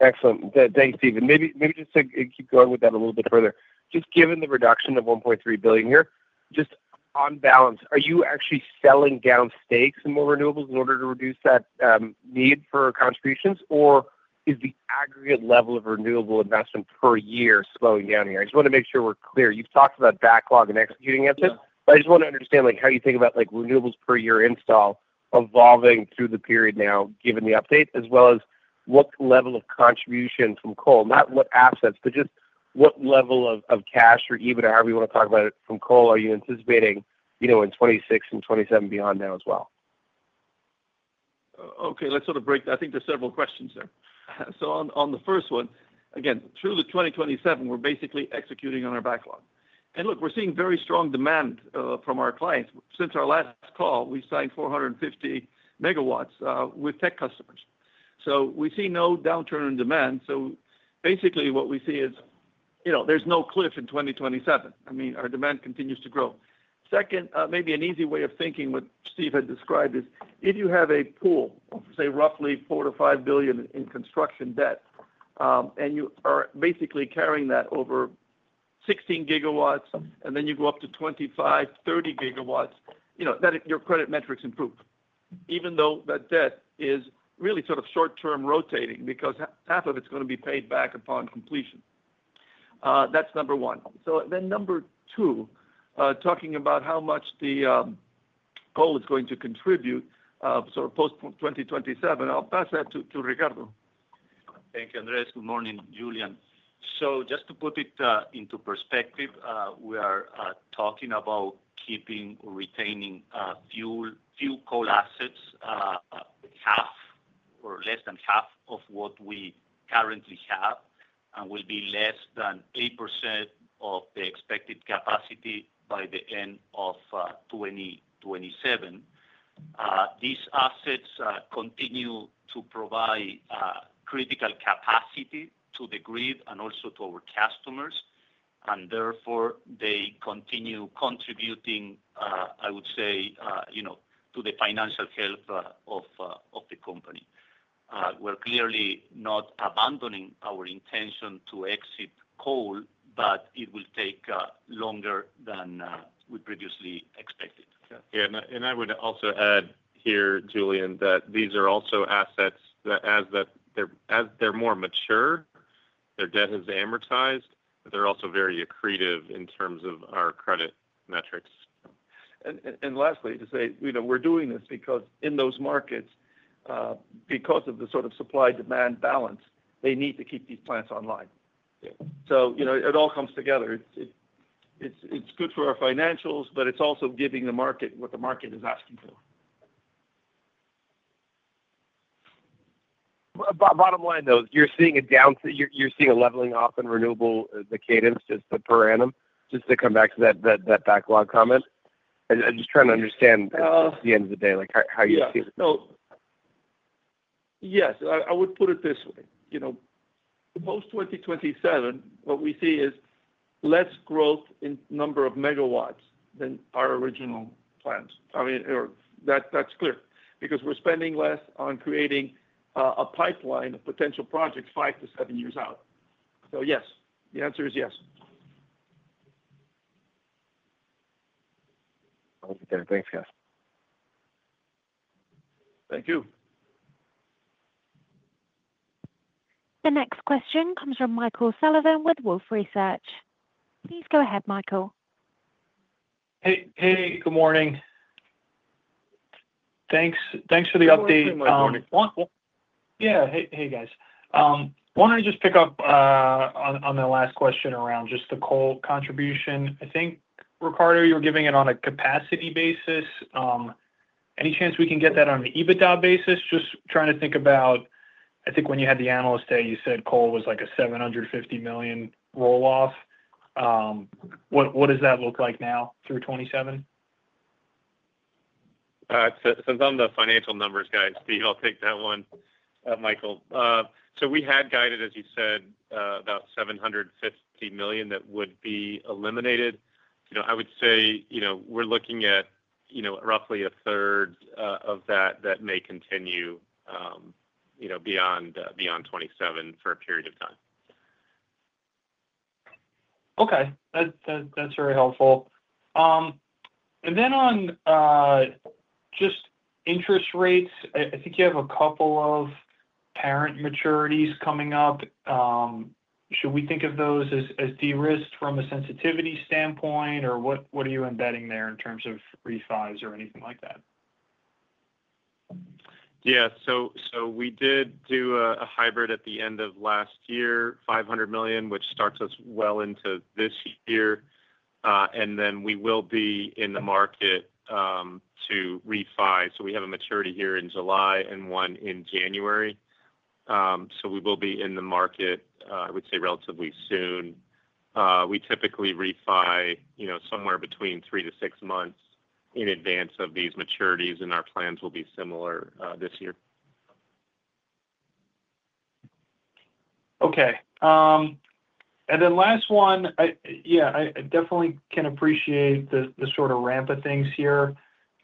Excellent. Thanks, Steven. Maybe just to keep going with that a little bit further. Just given the reduction of $1.3 billion here, just on balance, are you actually selling down stakes in more renewables in order to reduce that need for contributions? Or is the aggregate level of renewable investment per year slowing down here? I just want to make sure we're clear. You've talked about backlog and executing assets. But I just want to understand, like, how you think about, like, renewables per year install evolving through the period now given the update, as well as what level of contribution from coal, not what assets, but just what level of cash or EBITDA, however you want to talk about it, from coal are you anticipating, you know, in 2026 and 2027 beyond now as well? Okay. Let's sort of break that. I think there's several questions there. So on the first one, again, through 2027, we're basically executing on our backlog. And look, we're seeing very strong demand from our clients. Since our last call, we signed 450 MW with tech customers. So we see no downturn in demand. So basically what we see is, you know, there's no cliff in 2027. I mean, our demand continues to grow. Second, maybe an easy way of thinking what Steve had described is if you have a pool of, say, roughly $4 billion-$5 billion in construction debt and you are basically carrying that over 16 GW and then you go up to 25-30 GW, you know, that your credit metrics improve, even though that debt is really sort of short-term rotating because half of it's going to be paid back upon completion. That's number one. So then number two, talking about how much the coal is going to contribute sort of post-2027, I'll pass that to Ricardo. Thank you, Andrés. Good morning, Julien. So just to put it into perspective, we are talking about keeping or retaining fuel coal assets half or less than half of what we currently have and will be less than 8% of the expected capacity by the end of 2027. These assets continue to provide critical capacity to the grid and also to our customers, and therefore they continue contributing, I would say, you know, to the financial health of the company. We're clearly not abandoning our intention to exit coal, but it will take longer than we previously expected. Yeah, and I would also add here, Julian, that these are also assets that, as they're more mature, their debt has amortized, but they're also very accretive in terms of our credit metrics, and lastly to say, you know, we're doing this because in those markets, because of the sort of supply-demand balance, they need to keep these plants online, so you know, it all comes together. It's good for our financials, but it's also giving the market what the market is asking for. Bottom line, though, you're seeing a down, you're seeing a leveling off in renewables, the cadence, just the per annum. Just to come back to that backlog comment, I'm just trying to understand at the end of the day, like, how you see it. Yeah. So yes, I would put it this way. You know, post-2027, what we see is less growth in number of megawatts than our original plans. I mean, that's clear because we're spending less on creating a pipeline of potential projects five to seven years out. So yes, the answer is yes. Okay. Thanks, guys. Thank you. The next question comes from Michael Sullivan with Wolfe Research. Please go ahead, Michael. Hey, good morning. Thanks for the update. Good morning. Yeah. Hey, guys. I wanted to just pick up on the last question around just the coal contribution. I think, Ricardo, you were giving it on a capacity basis. Any chance we can get that on an EBITDA basis? Just trying to think about, I think when you had the analyst day, you said coal was like a $750 million roll-off. What does that look like now through 2027? Since I'm the financial numbers guy, Steve, I'll take that one, Michael. So we had guided, as you said, about $750 million that would be eliminated. You know, I would say, you know, we're looking at, you know, roughly a third of that that may continue, you know, beyond 2027 for a period of time. Okay. That's very helpful. And then on just interest rates, I think you have a couple of parent maturities coming up. Should we think of those as de-risked from a sensitivity standpoint, or what are you embedding there in terms of refis or anything like that? Yeah. So we did do a hybrid at the end of last year, $500 million, which starts us well into this year. And then we will be in the market to refi. So we have a maturity here in July and one in January. So we will be in the market, I would say, relatively soon. We typically refi, you know, somewhere between three to six months in advance of these maturities, and our plans will be similar this year. Okay. And then last one, yeah, I definitely can appreciate the sort of ramp of things here.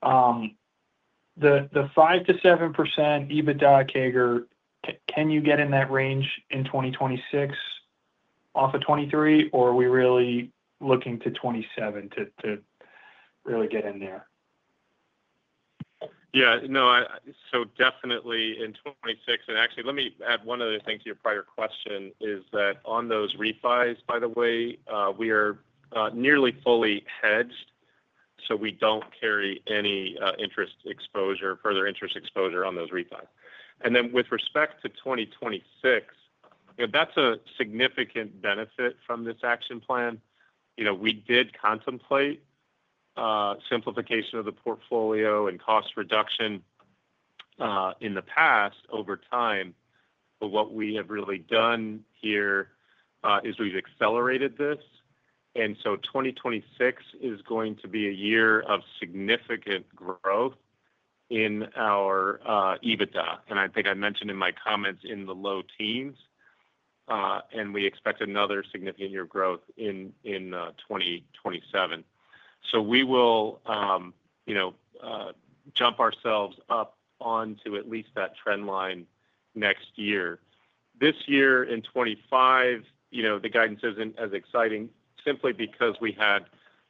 The 5%-7% EBITDA CAGR, can you get in that range in 2026 off of 2023, or are we really looking to 2027 to really get in there? Yeah. No, so definitely in 2026. And actually, let me add one other thing to your prior question is that on those refis, by the way, we are nearly fully hedged, so we don't carry any interest exposure, further interest exposure on those refis. And then with respect to 2026, you know, that's a significant benefit from this action plan. You know, we did contemplate simplification of the portfolio and cost reduction in the past over time. But what we have really done here is we've accelerated this. And so 2026 is going to be a year of significant growth in our EBITDA. I think I mentioned in my comments in the low teens, and we expect another significant year of growth in 2027. We will, you know, jump ourselves up onto at least that trend line next year. This year in 2025, you know, the guidance isn't as exciting simply because we had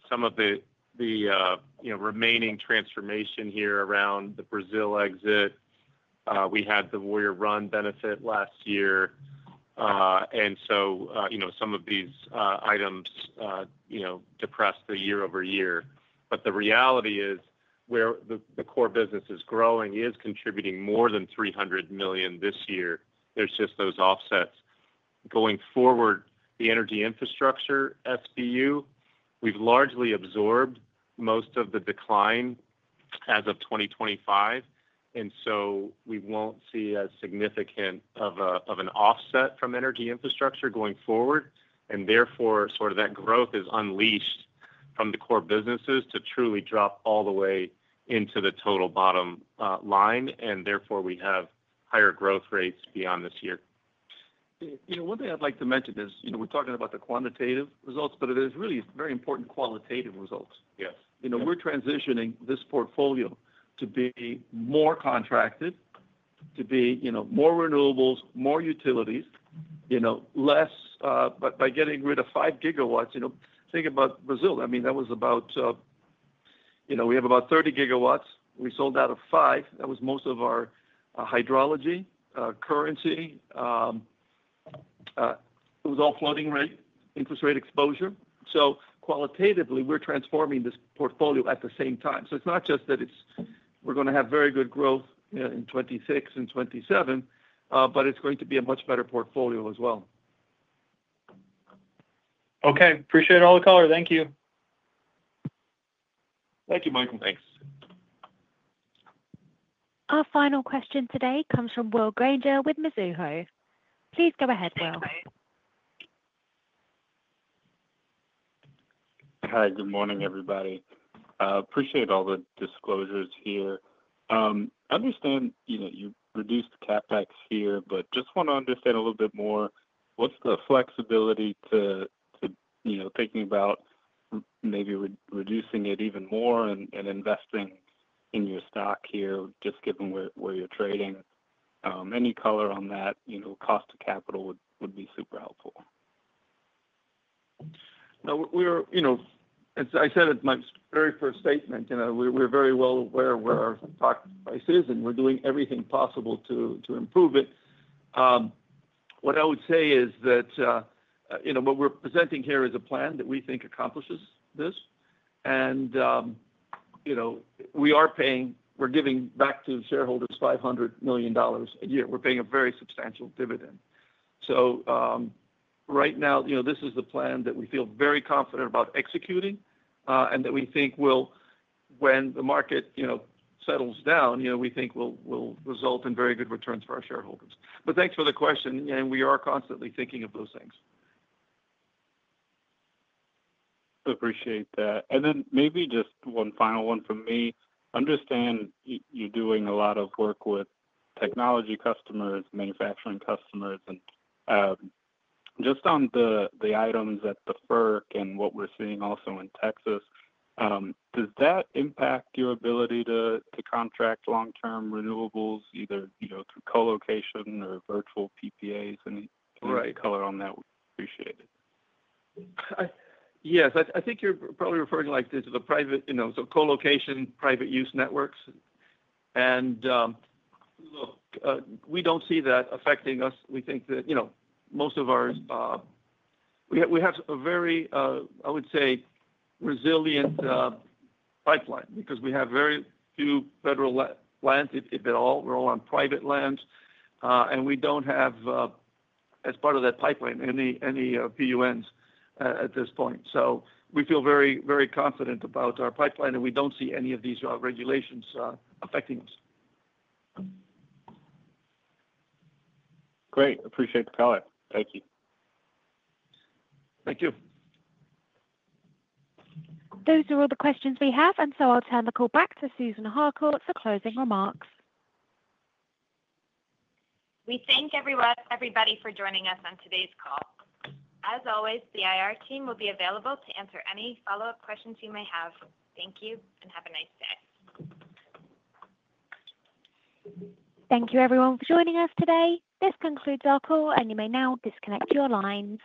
some of the, you know, remaining transformation here around the Brazil exit. We had the Warrior Run benefit last year. So, you know, some of these items, you know, depress the year over year. The reality is where the core business is growing is contributing more than $300 million this year. There's just those offsets. Going forward, the energy infrastructure SBU, we've largely absorbed most of the decline as of 2025. So we won't see as significant of an offset from energy infrastructure going forward. Therefore, sort of that growth is unleashed from the core businesses to truly drop all the way into the total bottom line. Therefore, we have higher growth rates beyond this year. You know, one thing I'd like to mention is, you know, we're talking about the quantitative results, but it is really very important qualitative results. Yes. You know, we're transitioning this portfolio to be more contracted, to be, you know, more renewables, more utilities, you know, less by getting rid of five GW. You know, think about Brazil. I mean, that was about, you know, we have about 30 GW. We sold out of five. That was most of our hydrology, currency. It was all floating rate interest rate exposure. So qualitatively, we're transforming this portfolio at the same time. So it's not just that we're going to have very good growth in 2026 and 2027, but it's going to be a much better portfolio as well. Okay. Appreciate it, caller. Thank you. Thank you, Michael. Thanks. Our final question today comes from Will Granger with Mizuho. Please go ahead, Will. Hi, good morning, everybody. Appreciate all the disclosures here. I understand, you know, you reduced the CapEx here, but just want to understand a little bit more. What's the flexibility to, you know, thinking about maybe reducing it even more and investing in your stock here, just given where you're trading? Any color on that, you know, cost of capital would be super helpful? No, we are, you know, as I said in my very first statement, you know, we're very well aware of where our stock price is, and we're doing everything possible to improve it. What I would say is that, you know, what we're presenting here is a plan that we think accomplishes this. And, you know, we are paying; we're giving back to shareholders $500 million a year. We're paying a very substantial dividend. So right now, you know, this is the plan that we feel very confident about executing and that we think will, when the market, you know, settles down, you know, we think will result in very good returns for our shareholders. But thanks for the question. And we are constantly thinking of those things. Appreciate that. And then maybe just one final one from me. I understand you're doing a lot of work with technology customers, manufacturing customers. And just on the items at the FERC and what we're seeing also in Texas, does that impact your ability to contract long-term renewables, either, you know, through co-location or virtual PPAs? Any color on that? We appreciate it. Yes. I think you're probably referring like to the private, you know, so co-location, private use networks. And look, we don't see that affecting us. We think that, you know, most of our, we have a very, I would say, resilient pipeline because we have very few federal lands, if at all. We're all on private lands. And we don't have, as part of that pipeline, any PUNs at this point. So we feel very, very confident about our pipeline, and we don't see any of these regulations affecting us. Great. Appreciate the comment. Thank you. Thank you. Those are all the questions we have. And so I'll turn the call back to Susan Harcourt for closing remarks. We thank everybody for joining us on today's call. As always, the IR team will be available to answer any follow-up questions you may have. Thank you and have a nice day. Thank you, everyone, for joining us today. This concludes our call, and you may now disconnect your lines.